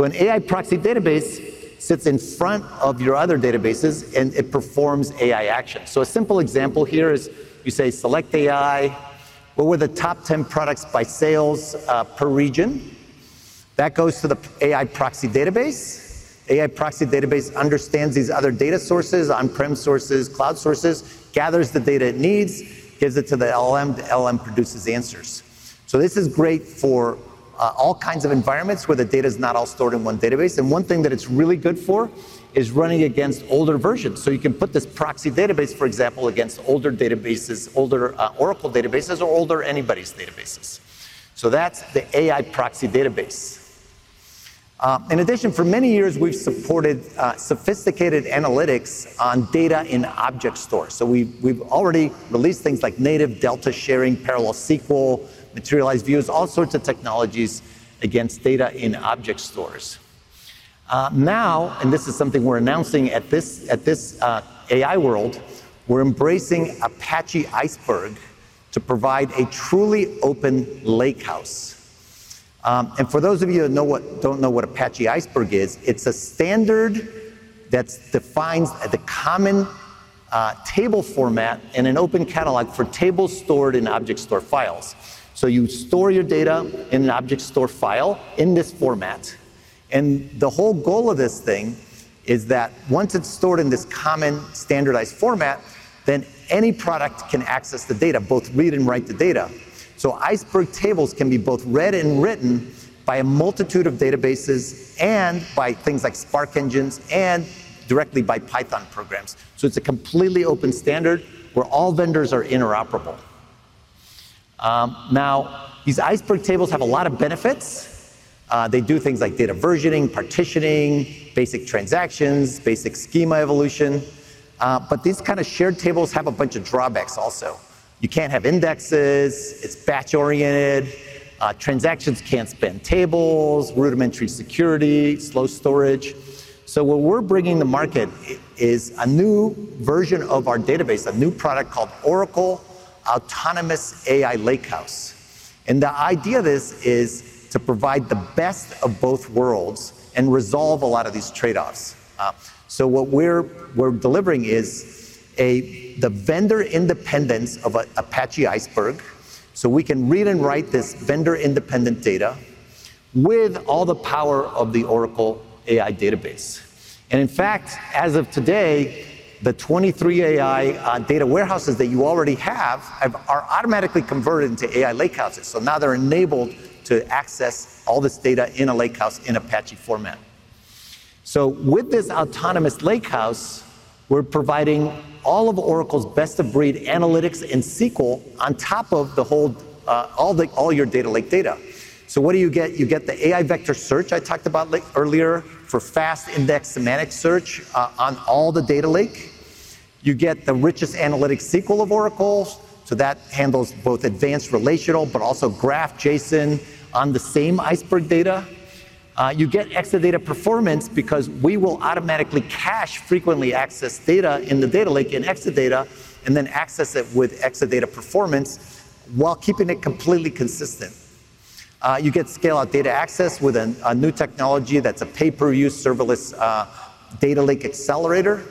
An AI proxy database sits in front of your other databases and it performs AI actions. A simple example here is you say select AI what were the top 10 products by sales per region that goes to the AI proxy database. AI proxy database understands these other data sources, on prem sources, cloud sources, gathers the data it needs, gives it to the LLM, the LLM produces answers. This is great for all kinds of environments where the data is not all stored in one database. One thing that it's really good for is running against older versions. You can put this proxy database, for example, against older databases, older Oracle databases, or older anybody's databases. That's the AI proxy database. In addition, for many years we've supported sophisticated analytics on data in object store. We've already released things like native data, delta sharing, parallel SQL, materialized views, all sorts of technologies against data in object stores now. This is something we're announcing at this AI world. We're embracing Apache Iceberg to provide a truly open lakehouse. For those of you that don't know what Apache Iceberg is, it's a standard that defines the common table format in an open catalog for tables stored in object store files. You store your data in an object store file in this format. The whole goal of this thing is that once it's stored in this common standardized format, then any product can access the data, both read and write the data. Iceberg tables can be both read and written by a multitude of databases and by things like Spark engines and directly by Python programs. It's a completely open standard where all vendors are interoperable. Now these Iceberg tables have a lot of benefits. They do things like data versioning, partitioning, basic transactions, basic schema evolution. These kind of shared tables have a bunch of drawbacks also. You can't have indexes, it's batch-oriented transactions, can't span tables, rudimentary security, slow storage. We're bringing to market a new version of our database, a new product called Oracle Autonomous AI Lakehouse. The idea of this is to provide the best of both worlds and resolve a lot of these trade-offs. What we're delivering is the vendor independence of an Apache Iceberg so we can read and write this vendor-independent data with all the power of the Oracle AI Database. In fact, as of today, the 23AI data warehouses that you already have are automatically converted into AI lakehouses. Now they're enabled to access all this data in a lakehouse in Apache format. With this autonomous lakehouse, we're providing all of Oracle's best-of-breed analytics and SQL on top of all your data lake data. What do you get? You get the AI vector search I talked about earlier for fast index semantic search on all the data lake. You get the richest analytics SQL of Oracle. That handles both advanced relational but also graph JSON on the same Iceberg data. You get Exadata performance because we will automatically cache frequently accessed data in the data lake in Exadata and then access it with Exadata performance while keeping it completely consistent. You get scale out data access with a new technology that's a pay per view serverless data lake accelerator,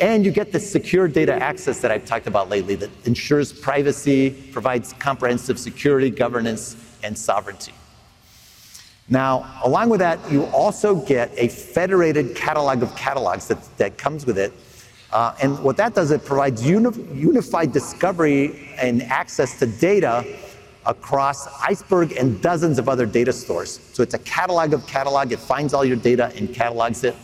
and you get the secure data access that I've talked about lately that ensures privacy, provides comprehensive security, governance, and sovereignty. Now, along with that, you also get a federated catalog of catalogs that comes with it. What that does is it provides unified discovery and access to data across Iceberg and dozens of other data stores. It's a catalog of catalogs. It finds all your data and catalogs it.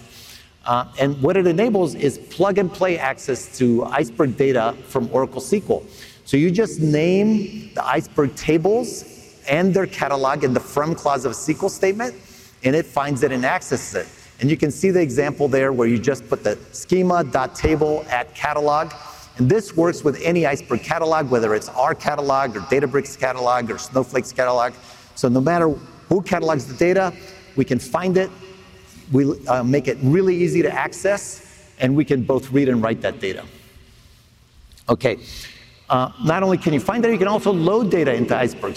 What it enables is plug and play access to Iceberg data from Oracle SQL. You just name the Iceberg tables and their catalog in the from clause of a SQL statement, and it finds it and accesses it. You can see the example there where you just put the schema table catalog. This works with any Iceberg catalog, whether it's our catalog or Databricks catalog or Snowflake's catalog. No matter who catalogs the data, we can find it, we make it really easy to access, and we can both read and write that data. Not only can you find that, you can also load data into Iceberg.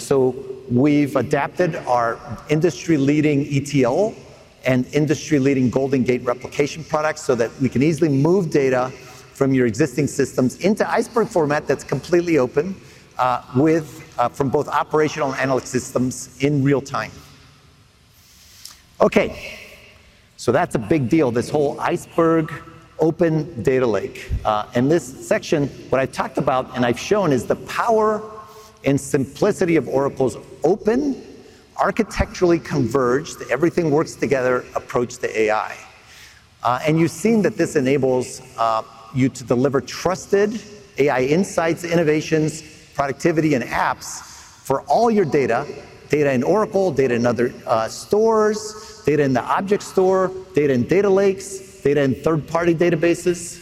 We've adapted our industry leading ETL and industry leading GoldenGate replication products so that we can easily move data from your existing systems into Iceberg format that's completely open from both operational and analytics systems in real time. That's a big deal. This whole Iceberg open data lake, in this section, what I talked about and I've shown is the power and simplicity of Oracle's open, architecturally converged, everything works together approach to AI. You've seen that this enables you to deliver trusted AI insights, innovations, productivity, and apps for all your data. Data in Oracle, data in other stores, data in the object store, data in data lakes, data in third party databases.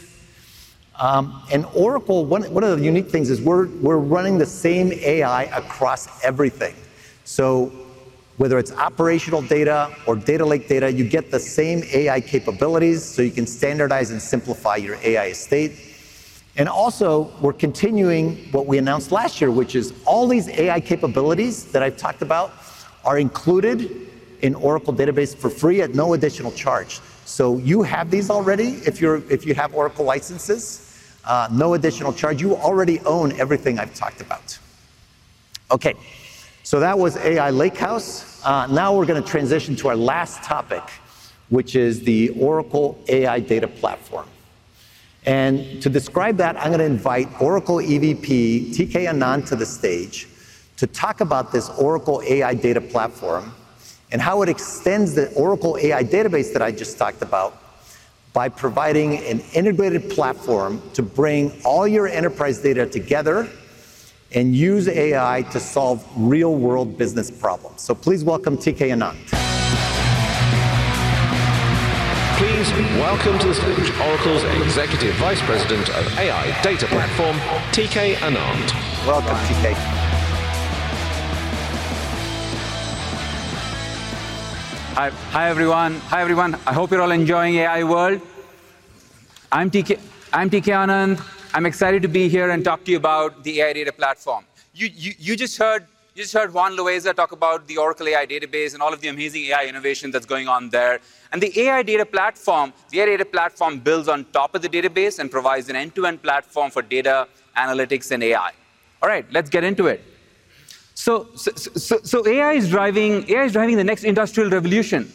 One of the unique things is we're running the same AI across everything. Whether it's operational data or data lake data, you get the same AI capabilities so you can standardize and simplify your AI estate. We're continuing what we announced last year, which is all these AI capabilities that I've talked about are included in Oracle Database for free at no additional charge. You have these already. If you have Oracle licenses, no additional charge. You already own everything I've talked about. That was AI Lakehouse. Now we're going to transition to our last topic, which is the Oracle AI Data Platform. To describe that, I'm going to invite Oracle EVP T.K. Anand to the stage to talk about this Oracle AI Data Platform and how it extends the Oracle AI Database that I just talked about by providing an integrated platform to bring all your enterprise data together and use AI to solve real world business problems. Please welcome T.K. Anand. Please welcome to the stage Oracle's Executive Vice President of AI Data Platform, T.K. Anand. Welcome T.K. Hi everyone. I hope you're all enjoying AI World. I'm T.K. Anand. I'm excited to be here and talk to you about the AI Data Platform. You just heard Juan Loaiza talk about the Oracle AI Database and all of the amazing AI innovation that's going on there. The AI Data Platform builds on top of the database and provides an end-to-end platform for data analytics and AI. All right, let's get into it. AI is driving the next industrial revolution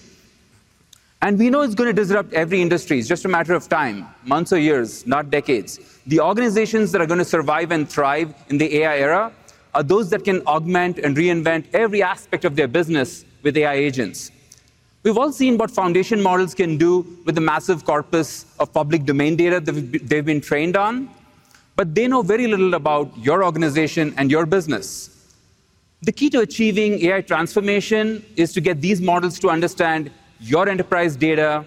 and we know it's going to disrupt every industry. It's just a matter of time, months or years, not decades. The organizations that are going to survive and thrive in the AI era are those that can augment and reinvent every aspect of their business with AI agents. We've all seen what foundation models can do with the massive corpus of public domain data that they've been trained on, but they know very little about your organization and your business. The key to achieving AI transformation is to get these models to understand your enterprise data,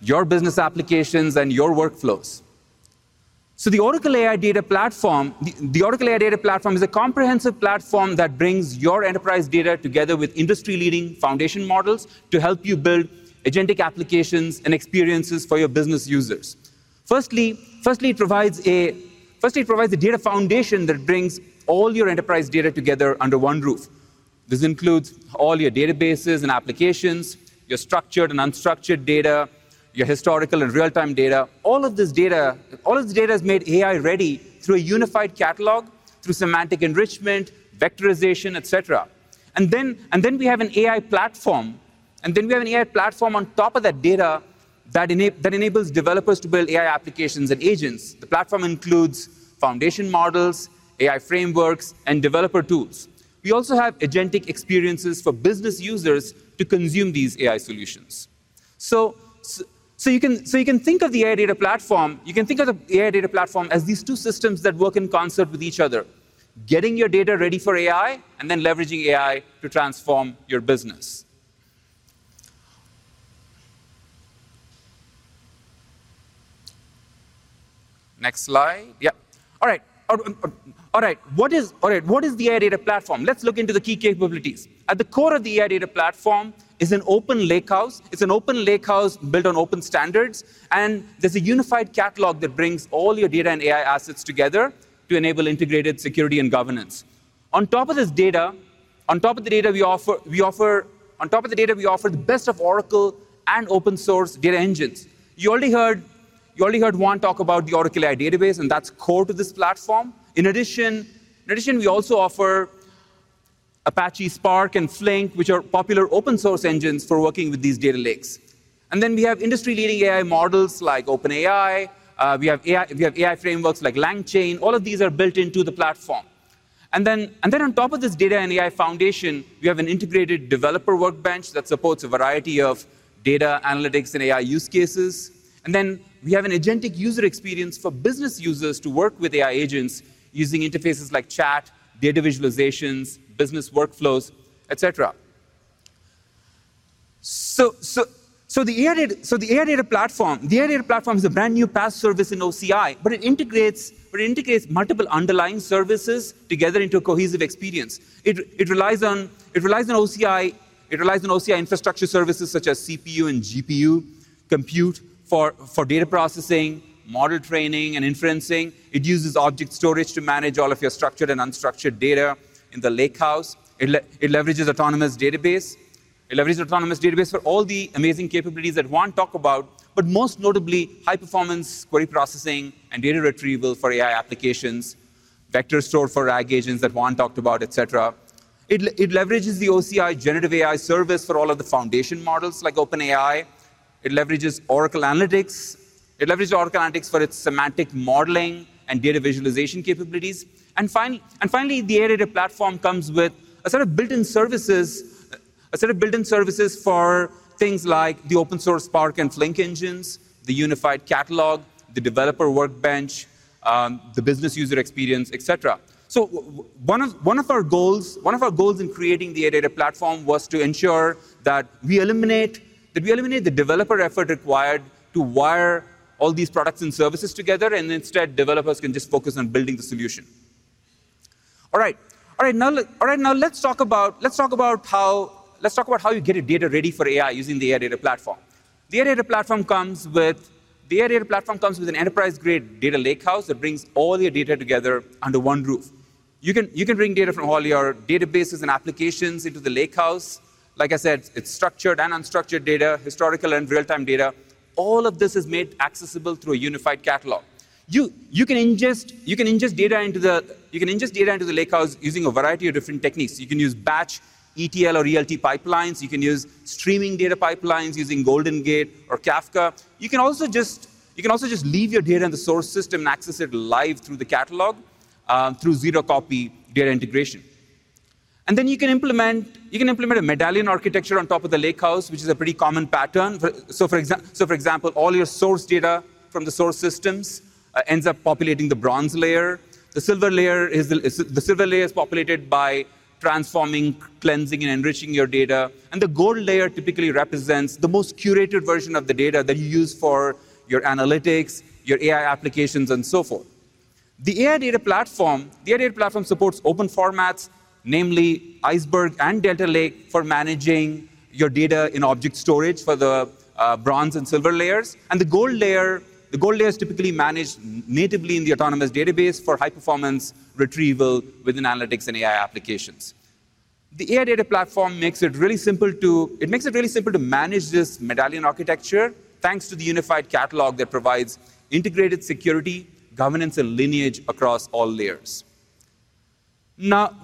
your business applications, and your workflows. The Oracle AI Data Platform is a comprehensive platform that brings your enterprise data together with industry-leading foundation models to help you build agentic applications and experiences for your business users. Firstly, it provides a data foundation that brings all your enterprise data together under one roof. This includes all your databases and applications, your structured and unstructured data, your historical and real-time data. All of this data is made AI ready through a unified catalog, through semantic enrichment, vectorization, et cetera. We have an AI platform on top of that data that enables developers to build AI applications and agents. The platform includes foundation models, AI frameworks, and developer tools. We also have agentic experiences for business users to consume these AI solutions. You can think of the AI Data Platform as these two systems that work in concert with each other, getting your data ready for AI and then leveraging AI to transform your business. Next slide. All right, what is the AI Data Platform? Let's look into the key capabilities. At the core of the AI Data Platform is an open lakehouse. It's an open lakehouse built on open standards, and there's a unified catalog that brings all your data and AI assets together to enable integrated security and governance. On top of the data, we offer the best of Oracle and open source data engines. You already heard Juan talk about the Oracle AI Database, and that's core to this platform. In addition, we also offer Apache Spark and Flink, which are popular open source engines for working with these data lakes. We have industry leading AI models like OpenAI. We have AI frameworks like LangChain. All of these are built into the platform. On top of this data and AI foundation, we have an integrated developer workbench that supports a variety of data analytics and AI use cases. We have an agentic user experience for business users to work with AI agents using interfaces like chat, data visualizations, business workflows, et cetera. The AI Data Platform is a brand new PaaS service in OCI, but it integrates multiple underlying services together into a cohesive experience. It relies on OCI infrastructure services such as CPU and GPU compute for data processing, model training, and inferencing. It uses object storage to manage all of your structured and unstructured data in the lakehouse. It leverages Autonomous Database for all the amazing capabilities that Juan talked about, but most notably high performance query processing and data retrieval for AI applications, Vector Store for AI agents that Juan talked about, et cetera. It leverages the OCI Generative AI service for all of the foundation models like OpenAI. It leverages Oracle Analytics for its semantic modeling and data visualization capabilities. Finally, the AI Data Platform comes with a set of built-in services for things like the open source Spark and Flink engines, the Unified Catalog, the developer workbench, the business user experience, et cetera. One of our goals in creating the AI Data Platform was to ensure that we eliminate the developer effort required to wire all these products and services together, and instead developers can just focus on building the solution. All right, now let's talk about how you get data ready for AI using the Oracle AI Data Platform. The AI Data Platform comes with an enterprise-grade data lakehouse that brings all your data together under one roof. You can bring data from all your databases and applications into the lakehouse. Like I said, it's structured and unstructured data, historical and real-time data. All of this is made accessible through a unified catalog. You can ingest data into the lakehouse using a variety of different techniques. You can use batch ETL or ELT pipelines. You can use streaming data pipelines using GoldenGate or Kafka. You can also just leave your data in the source system and access it live through the catalog through zero copy data integration. You can implement a medallion architecture on top of the lakehouse, which is a pretty common pattern. For example, all your source data from the source systems ends up populating the bronze layer. The silver layer is populated by transforming, cleansing, and enriching your data. The gold layer typically represents the most curated version of the data that you use for your analytics, your AI applications, and so forth. The AI Data Platform supports open formats, namely Iceberg and Delta Lake, for managing your data in object storage for the bronze and silver layers, and the gold layer. The gold layer is typically managed natively in the Autonomous Database for high-performance retrieval within analytics and AI applications. The AI Data Platform makes it really simple to manage this medallion architecture thanks to the unified catalog that provides integrated security, governance, and lineage across all layers. Now,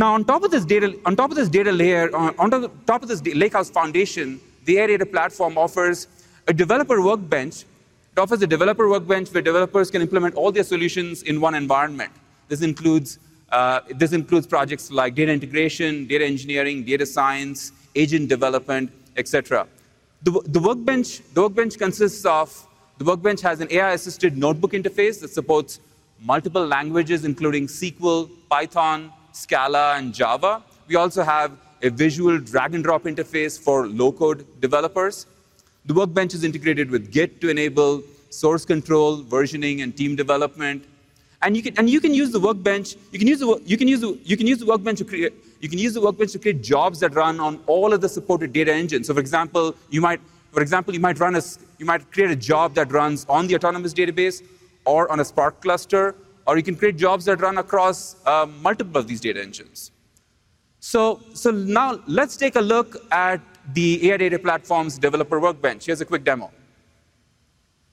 on top of this data layer, on top of this lakehouse foundation, the AI Data Platform offers a developer workbench where developers can implement all their solutions in one environment. This includes projects like data integration, data engineering, data science, agent development, et cetera. The workbench has an AI-assisted notebook interface that supports multiple languages including SQL, Python, Scala, and Java. We also have a visual drag-and-drop interface for low-code developers. The workbench is integrated with Git to enable source control, versioning, and team development. You can use the workbench to create jobs that run on all of the supported data engines. For example, you might create a job that runs on the autonomous database or on a Spark cluster, or you can create jobs that run across multiple of these data engines. Now let's take a look at the Oracle AI Data Platform's developer workbench. Here's a quick demo.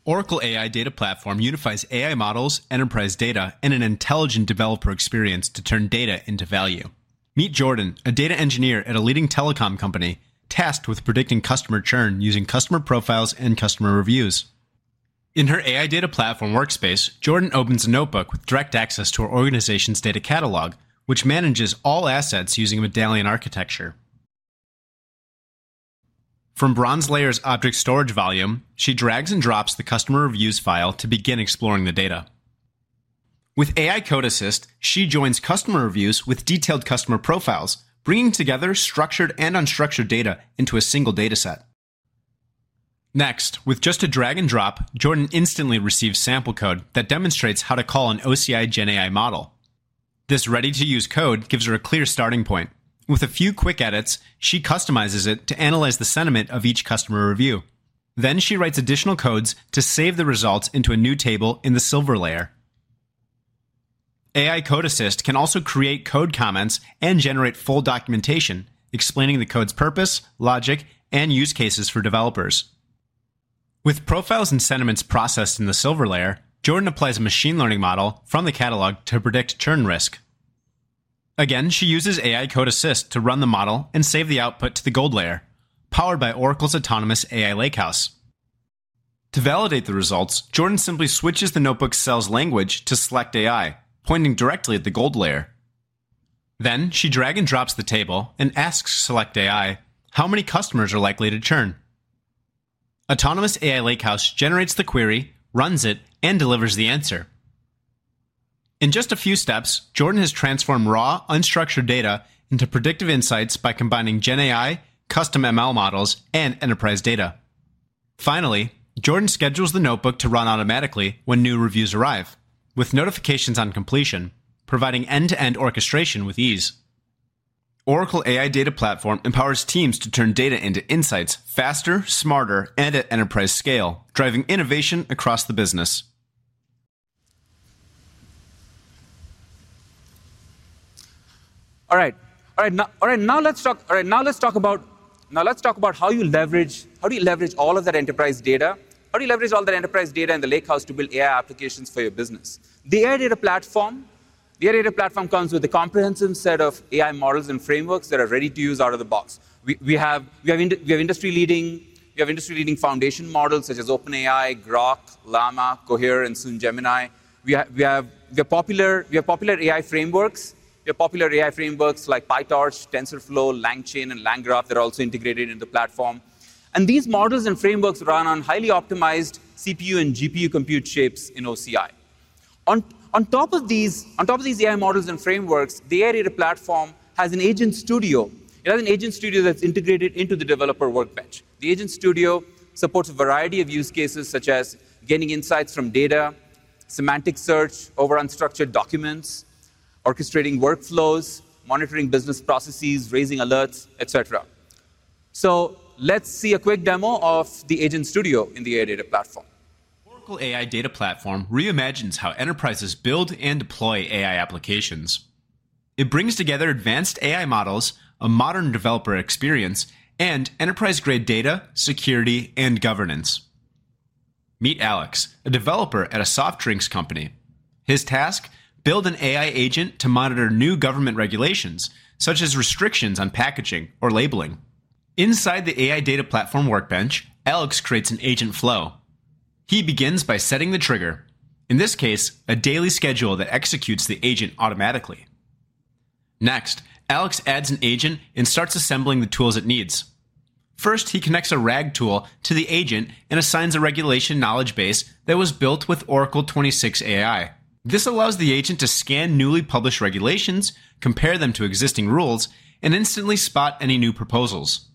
Oracle AI Data Platform unifies AI models, enterprise data, and an intelligent developer experience to turn data into value. Meet Jordan, a data engineer at a leading telecom company tasked with predicting customer churn using customer profiles and customer reviews in her AI Data Platform workspace. Jordan opens a notebook with direct access to her organization's data catalog, which manages all assets. Using Medallion Architecture from Bronze layer's Object Storage volume, she drags and drops the customer reviews file to begin exploring the data. With AI Code Assist, she joins customer reviews with detailed customer profiles, bringing together structured and unstructured data into a single data set. Next, with just a drag and drop, Jordan instantly receives sample code that demonstrates how to call an OCI GenAI model. This ready-to-use code gives her a clear starting point. With a few quick edits, she customizes it to analyze the sentiment of each customer review. She then writes additional code to save the results into a new table. In the Silver layer, AI Code Assist can also create code comments and generate full documentation explaining the code's purpose, logic, and use cases for developers. With profiles and sentiments processed in the Silver layer, Jordan applies a machine learning model from the catalog to predict churn risk. Again, she uses AI Code Assist to run the model and save the output to the Gold layer powered by Oracle's Autonomous AI Lakehouse. To validate the results, Jordan simply switches the notebook's cell's language to Select AI, pointing directly at the Gold layer. She then drags and drops the table and asks Select AI how many customers are likely to churn. Autonomous AI Lakehouse generates the query, runs it, and delivers the answer. In just a few steps, Jordan has transformed raw, unstructured data into predictive insights by combining GenAI, custom ML models, and enterprise data. Finally, Jordan schedules the notebook to run automatically when new reviews arrive, with notifications on completion, providing end-to-end orchestration with ease. Oracle AI Data Platform empowers teams to turn data into insights faster, smarter, and at enterprise scale, driving innovation across the business. Now let's talk about how you leverage all of that enterprise data in the lakehouse to build AI applications for your business. The Oracle AI Data Platform comes with a comprehensive set of AI models and frameworks that are ready to use out of the box. We have industry-leading foundation models such as OpenAI, Groq, Llama, Cohere, and soon Gemini. We have popular AI frameworks like PyTorch, TensorFlow, LangChain, and LangGraph. They're also integrated in the platform, and these models and frameworks run on highly optimized CPU and GPU compute shapes in OCI. On top of these AI models and frameworks, the AI Data Platform has an Agent Studio that's integrated into the developer workbench. The Agent Studio supports a variety of use cases such as getting insights from data, semantic search over unstructured documents, orchestrating workflows, monitoring business processes, raising alerts, etc. Let's see a quick demo of the Agent Studio in the AI Data Platform. Oracle AI Data Platform reimagines how enterprises build and deploy AI applications. It brings together advanced AI models, a modern developer experience, and enterprise-grade data security and governance. Meet Alex, a developer at a soft drinks company. His task? Build an AI agent to monitor new government regulations such as restrictions on packaging or labeling. Inside the Oracle AI Data Platform Workbench, Alex creates an agent flow. He begins by setting the trigger, in this case a daily schedule that executes the agent automatically. Next, Alex adds an agent and starts assembling the tools it needs. First, he connects a RAG tool to the agent and assigns a regulation knowledge base that was built with Oracle AI Database 26AI. This allows the agent to scan newly published regulations, compare them to existing rules, and instantly spot any new proposals.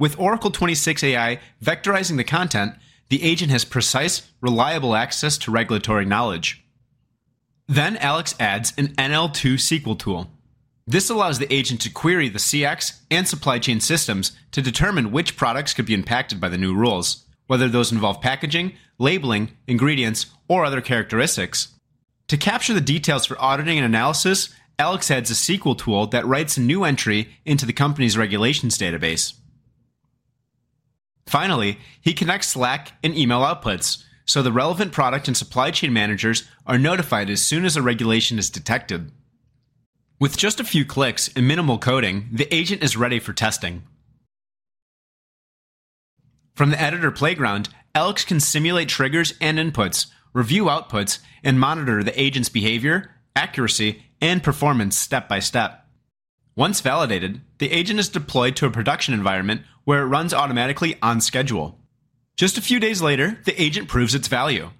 With Oracle AI Database 26AI vectorizing the content, the agent has precise, reliable access to regulatory knowledge. Then Alex adds an NL2SQL tool. This allows the agent to query the CX and supply chain systems to determine which products could be impacted by the new rules, whether those involve packaging, labeling, ingredients, or other characteristics. To capture the details for auditing and analysis, Alex adds a SQL tool that writes a new entry into the company's regulations database. Finally, he connects Slack and email outputs so the relevant product and supply chain managers are notified as soon as a regulation is detected. With just a few clicks and minimal coding, the agent is ready for testing from the editor playground. Alex can simulate triggers and inputs, or review outputs and monitor the agent's behavior, accuracy, and performance step by step. Once validated, the agent is deployed to a production environment where it runs automatically on schedule. Just a few days later, the agent proves its value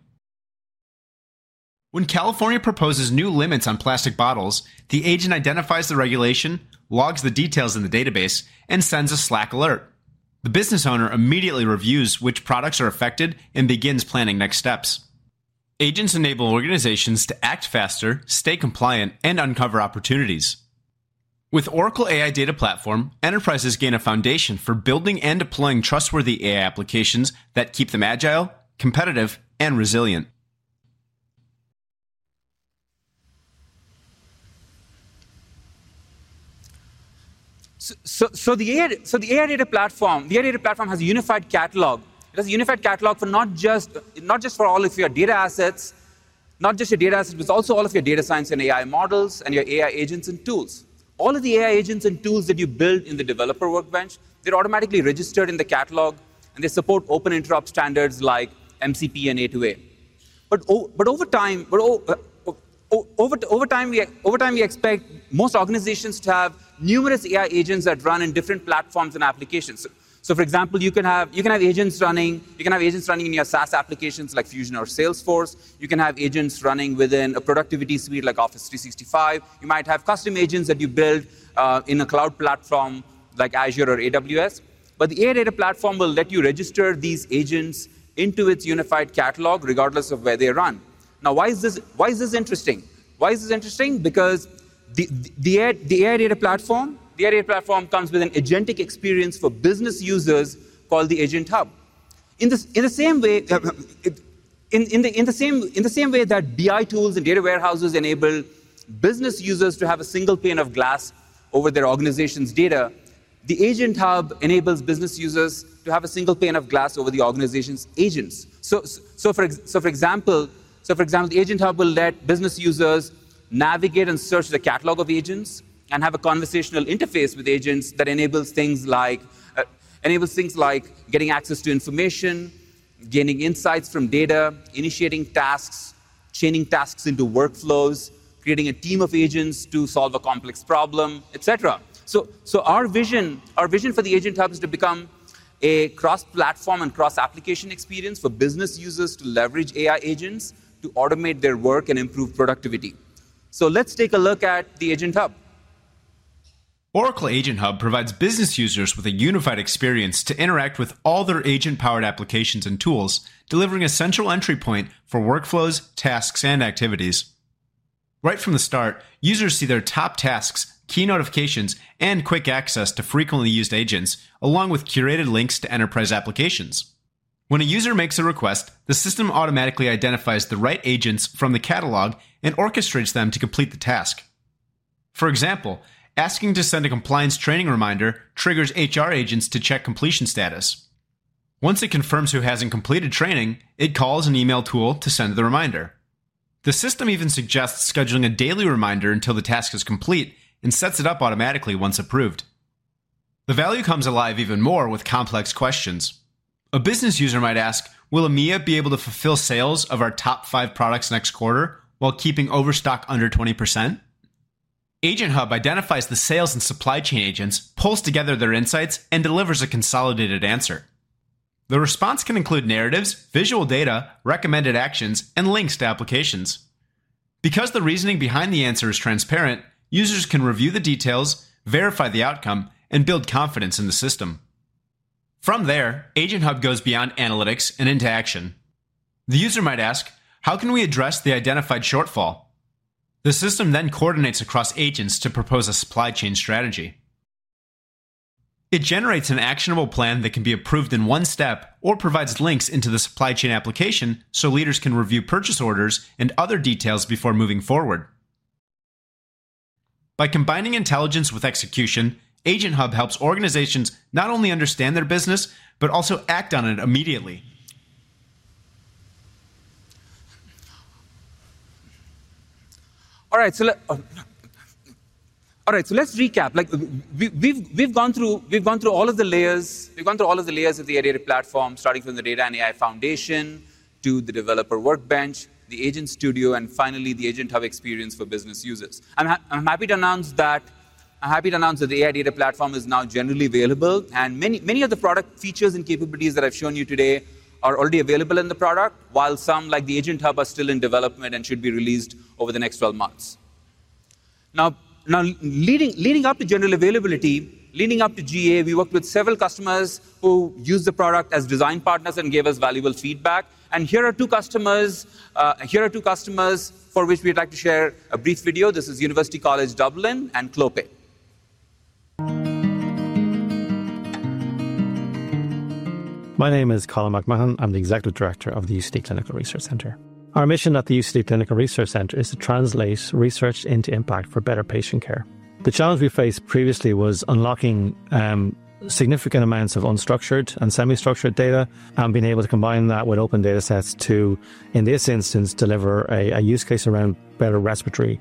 when California proposes new limits on plastic bottles. The agent identifies the regulation, logs the details in the database, and sends a Slack alert. The business owner immediately reviews which products are affected and begins planning next steps. Agents enable organizations to act faster, stay compliant, and uncover opportunities. With Oracle AI Data Platform, enterprises gain a foundation for building and deploying trustworthy AI applications that keep them agile, competitive, and resilient. The Oracle AI Data Platform has a unified catalog for not just all of your data assets, but also all of your data science and AI models and your AI agents and tools. All of the AI agents and tools that you build in the developer workbench are automatically registered in the catalog, and they support open interrupt standards like MCP and A2A. Over time, we expect most organizations to have numerous AI agents that run in different platforms and applications. For example, you can have agents running in your SaaS applications like Oracle Fusion Applications or Salesforce. You can have agents running within a productivity suite like Office 365. You might have custom agents that you build in a cloud platform like Azure or AWS, but the Oracle AI Data Platform will let you register these agents into its unified catalog, regardless of where they run. Why is this interesting? The Oracle AI Data Platform comes with an agentic experience for business users called the Agent Hub. In the same way that BI tools and data warehouses enable business users to have a single pane of glass over their organization's data, the Agent Hub enables business users to have a single pane of glass over the organization's agents. For example, the Agent Hub will let business users navigate and search the catalog of agents and have a conversational interface with agents that enables things like getting access to information, gaining insights from data, initiating tasks, chaining tasks into workflows, creating a team of agents to solve a complex problem, etc. Our vision for the Agent Hub is to become a cross-platform and cross-application experience for business users to leverage AI agents to automate their work and improve productivity. Let's take a look at the Agent Hub. Oracle Agent Hub provides business users with a unified experience to interact with all their agent powered applications and tools, delivering a central entry point for workflows, tasks, and activities. Right from the start, users see their top tasks, key notifications, and quick access to frequently used agents, along with curated links to enterprise applications. When a user makes a request, the system automatically identifies the right agents from the catalog and orchestrates them to complete the task. For example, asking to send a compliance training reminder triggers HR agents to check completion status. Once it confirms who hasn't completed training, it calls an email tool to send the reminder. The system even suggests scheduling a daily reminder until the task is complete and sets it up automatically. Once approved, the value comes alive even more with complex questions a business user might ask. Will EMEA be able to fulfill sales of our top five products next quarter, while keeping Overstock under 20%? Agent Hub identifies the sales and supply chain agents, pulls together their insights, and delivers a consolidated answer. The response can include narratives, visual data, recommended actions, and links to applications. Because the reasoning behind the answer is transparent, users can review the details, verify the outcome, and build confidence in the system. From there, Agent Hub goes beyond analytics and into action. The user might ask, how can we address the identified shortfall? The system then coordinates across agents to propose a supply chain strategy. It generates an actionable plan that can be approved in one step or provides links into the supply chain application so leaders can review purchase orders and other details before moving forward. By combining intelligence with execution, Agent Hub helps organizations not only understand their business, but also act on it immediately. All right, let's recap. We've gone through all of the layers of the AI data platform, starting from the Data and AI foundation to the developer Workbench, the Agent Studio, and finally the Agent Hub experience for business users. I'm happy to announce that the AI data platform is now generally available, and many of the product features and capabilities that I've shown you today are already available in the product, while some, like the Agent Hub, are still in development and should be released over the next 12 months leading up to general availability. Leading up to GA, we worked with several customers who used the product as design partners and gave us valuable feedback. Here are two customers for which we'd like to share a brief video. This is University College Dublin and Clopay. My name is Colin McMahon. I'm the Executive Director of the UCD Clinical Research Centre. Our mission at the UCD Clinical Research Centre is to translate research into impact for better patient care. The challenge we faced previously was unlocking significant amounts of unstructured and semi-structured data and being able to combine that with open data sets to in this instance deliver a use case around better respiratory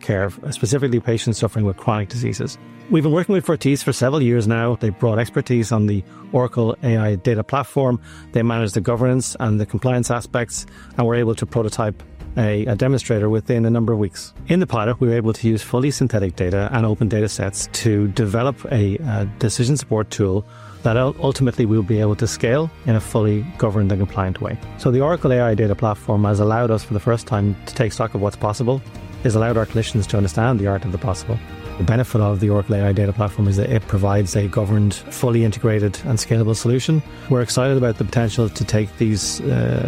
care, specifically patients suffering with chronic diseases. We've been working with Fortis for several years now. They brought expertise on the Oracle AI Data Platform. They managed the governance and the compliance aspects and were able to prototype a demonstrator within a number of weeks. In the pilot we were able to use fully synthetic data and open data sets to develop a decision support tool that ultimately will be able to scale in a fully governed and compliant way. The Oracle AI Data Platform has allowed us for the first time to take stock of what's possible and has allowed our clinicians to understand the art of the possible. The benefit of the Oracle AI Data Platform is that it provides a governed, fully integrated, and scalable solution. We're excited about the potential to take these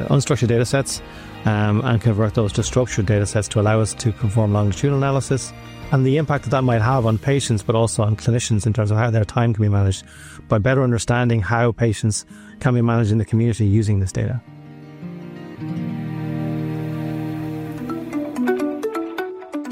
unstructured data sets and convert those to structured data sets to allow us to perform longitudinal analysis and the impact that that might have on patients, but also on clinicians in terms of how their time can be managed by better understanding how patients can be managed in the community using this data.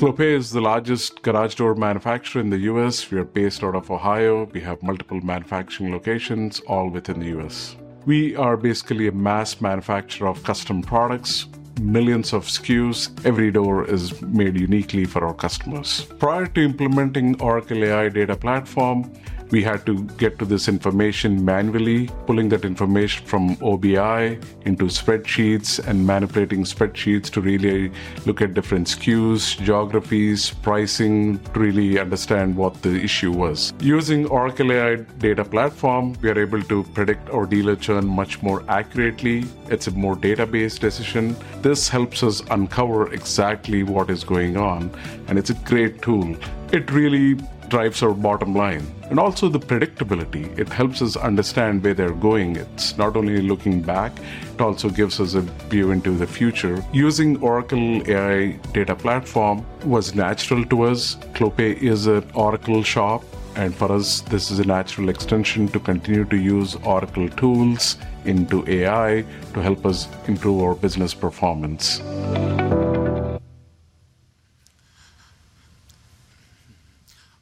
Clopay is the largest garage door manufacturer in the U.S. We are based out of Ohio. We have multiple manufacturing locations all within the U.S. We are basically a mass manufacturer of custom products, millions of SKUs. Every door is made uniquely for our customers. Prior to implementing Oracle AI Data Platform, we had to get to this information manually, pulling that information from OBI into spreadsheets and manipulating spreadsheets to really look at different SKUs, geographies, pricing to really understand what the issue was. Using Oracle AI Data Platform, we are able to predict our dealer churn much more accurately. It's a more data-based decision. This helps us uncover exactly what is going on, and it's a great tool. It really drives our bottom line and also the predictability. It helps us understand where they're going. It's not only looking back, it also gives us a view into the future. Using Oracle AI Data Platform was natural to us. Clopay is an Oracle shop, and for us this is a natural extension to continue to use Oracle tools into AI to help us improve our business performance.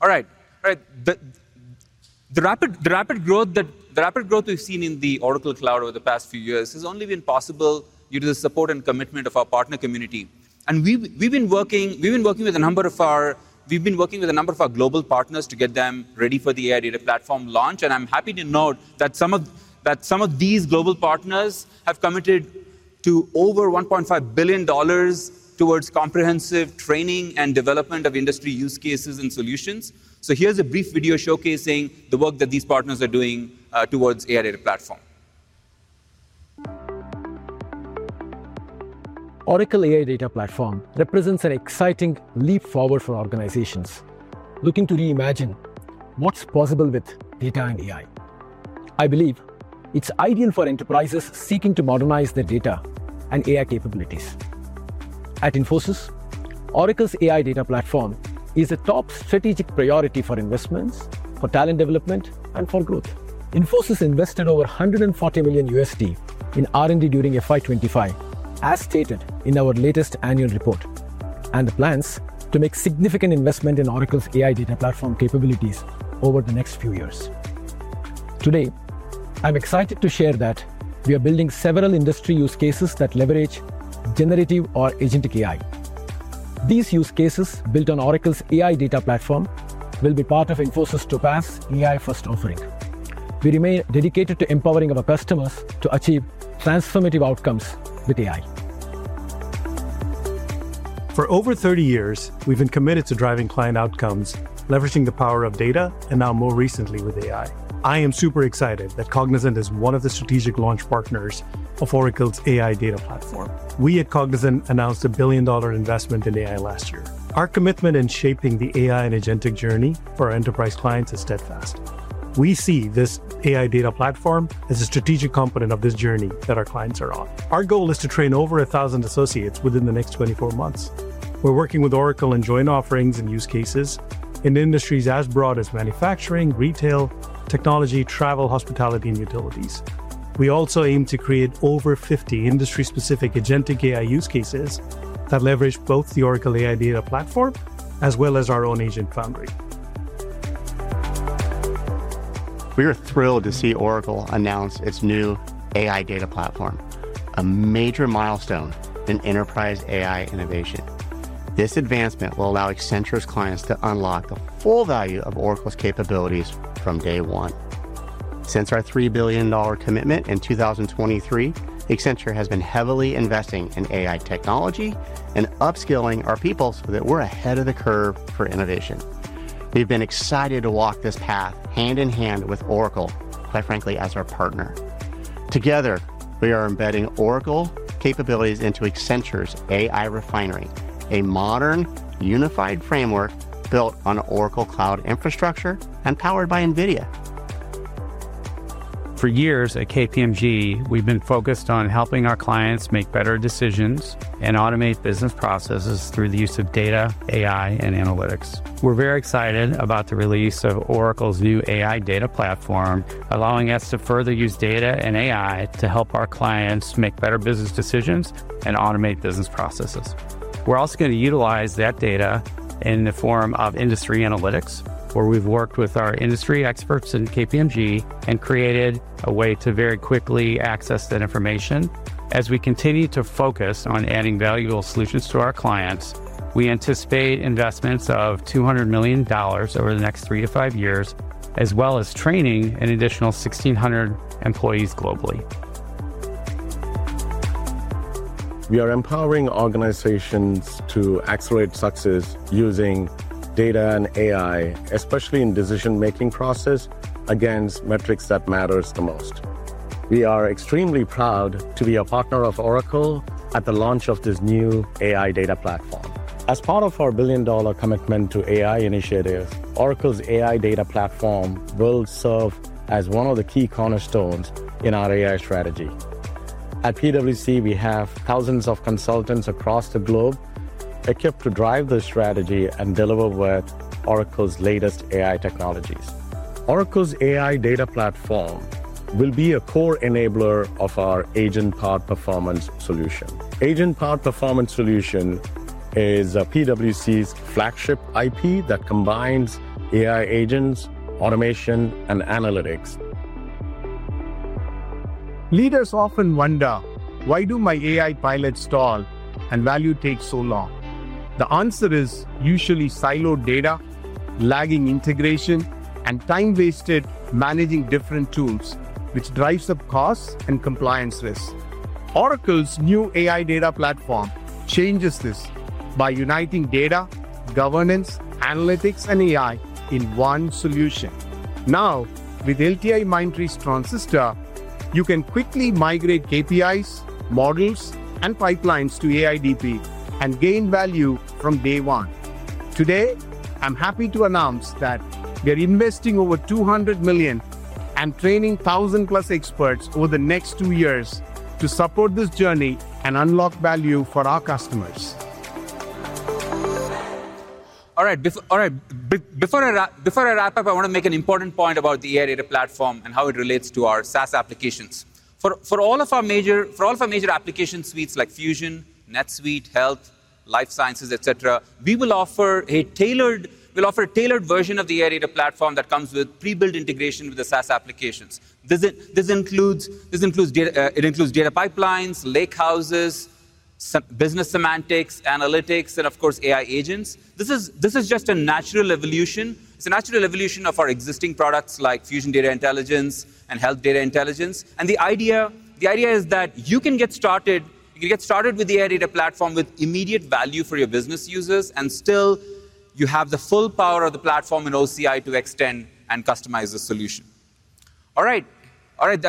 All right. The rapid growth we've seen in the Oracle Cloud over the past few years has only been possible due to the support and commitment of our partner community. We've been working with a number of our global partners to get them ready for the AI Data Platform launch. I'm happy to note that some of these global partners have committed to over $1.5 billion towards comprehensive training and development of industry use cases and solutions. Here's a brief video showcasing the work that these partners are doing towards AI Data Platform. Oracle AI Data Platform represents an exciting leap forward for organizations looking to reimagine what's possible with data and AI. I believe it's ideal for enterprises seeking to modernize their data and AI capabilities at Infosys. Oracle's AI Data Platform is a top strategic priority for Infosys investments, for talent development, and for growth. Infosys invested over $140 million in R&D during 2025 as stated in our latest annual report, and the plans to make significant investment in Oracle's AI Data Platform capabilities over the next few years. Today I'm excited to share that we are building several industry use cases that leverage generative or agent AI. These use cases built on Oracle's AI Data Platform will be part of Infosys Topaz AI First offering. We remain dedicated to empowering our customers to achieve transformative outcomes with AI. For over 30 years we've been committed to driving client outcomes, leveraging the power of data, and now more recently with AI. I am super excited that Cognizant is one of the strategic launch partners of Oracle's AI Data Platform. We at Cognizant announced a $1 billion. Investment in AI last year. Our commitment in shaping the AI and agentic journey for our enterprise clients is steadfast. We see this AI data platform as a strategic component of this journey. Our clients are on. Our goal is to train over 1,000 associates within the next 24 months. We're working with Oracle and joint offerings and use cases in industries as broad as manufacturing, retail, technology, travel, hospitality, and utilities. We also aim to create over 50 industry-specific agentic AI use cases that leverage both the Oracle AI Data Platform as well as our own agent foundry. We are thrilled to see Oracle announce its new AI Data Platform, a major milestone in enterprise AI innovation. This advancement will allow Accenture's client science to unlock the full value of Oracle's capabilities from day one. Since our $3 billion commitment in 2023, Accenture has been heavily investing in AI technology and upskilling our people so that we're ahead of the curve for innovation. We've been excited to walk this path hand in hand with Oracle, quite frankly, as our partner. Together we are embedding Oracle capabilities into Accenture's AI Refinery, a modern unified framework built on Oracle Cloud Infrastructure and powered by Nvidia. For years at KPMG, we've been focused on helping our clients make better decisions and automate business processes through the use of data, AI, and analytics. We're very excited about the release of Oracle's new AI Data Platform, allowing us to further use data and AI to help our clients make better business decisions and automate business processes. We're also going to utilize that data in the form of industry analytics, where we've worked with our industry experts in KPMG and created a way to very quickly access that information. As we continue to focus on adding valuable solutions to our clients, we anticipate investments of $200 million over the next three to five years, as well as training an additional 1,600 employees globally. We are empowering organizations to accelerate success using data and AI, especially in decision making process against metrics that matter the most. We are extremely proud to be a partner of Oracle at the launch of this new Oracle AI Data Platform. As part of our billion dollar commitment to AI initiatives, Oracle's AI Data Platform will serve as one of the key cornerstones in our AI strategy. At PwC, we have thousands of consultants across the globe equipped to drive this strategy and deliver with Oracle's latest AI technologies. Oracle's AI Data Platform will be a core enabler of our Agent Card Performance solution. Agent Power Performance solution is PwC's flagship IP that combines AI agents, automation, and analytics. Leaders often wonder why do my AI pilots stall and value take so long? The answer is usually siloed data, lagging integration, and time wasted managing different tools, which drives up costs and compliance risk. Oracle's new AI Data Platform changes this by uniting data governance, analytics, and AI in one solution. Now with LTI Mindtree's Transistor, you can quickly migrate KPIs, models, and pipelines to AIDP and gain value from day one. Today I'm happy to announce that we are investing over $200 million and training thousand plus experts over the next two years to support this journey and unlock value for our customers. All right, before I wrap up, I want to make an important point about the AI Data Platform and how it relates to our SaaS applications. For all of our major application suites like Fusion, NetSuite, Health, Life Sciences, et cetera, we will offer a tailored version of the AI Data Platform that comes with pre-built integration with the SaaS applications. It includes data pipelines, lakehouses, business semantics, analytics, and of course AI agents. This is just a natural evolution. It's a natural evolution of our existing products like Fusion Data Intelligence and Health Data Intelligence. The idea is that you can get started with the AI Data Platform with immediate value for your business users. You still have the full power of the platform in OCI to extend and customize the solution. All right,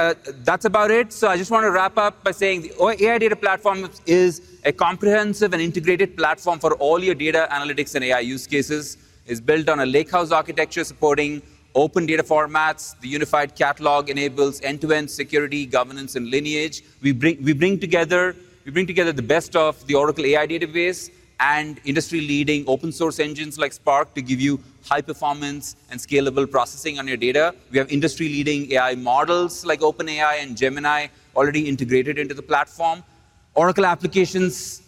that's about it. I just want to wrap up by saying the AI Data Platform is a comprehensive and integrated platform for all your data analytics and AI use cases. It's built on a lakehouse architecture supporting open data formats. The Unified Catalog enables end-to-end security, governance, and lineage. We bring together the best of the Oracle AI Database and industry-leading open source engines like Spark to give you high performance and scalable processing on your data. We have industry-leading AI models like OpenAI and Gemini already integrated into the platform. Oracle Applications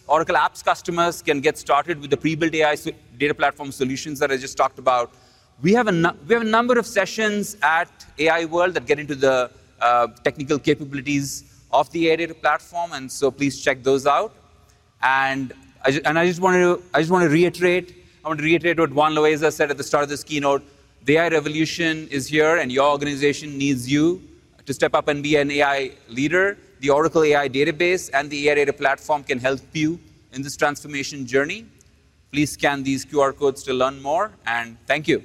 customers can get started with the pre-built AI Data Platform solutions that I just talked about. We have a number of sessions at AI World that get into the technical capabilities of the AI Data Platform. Please check those out. I just want to reiterate what Juan Loaiza said at the start of this keynote. The AI revolution is here and your organization needs you to step up and be an AI leader. The Oracle AI Database and the AI Data Platform can help you in this transformation journey. Please scan these QR codes to learn more. Thank you.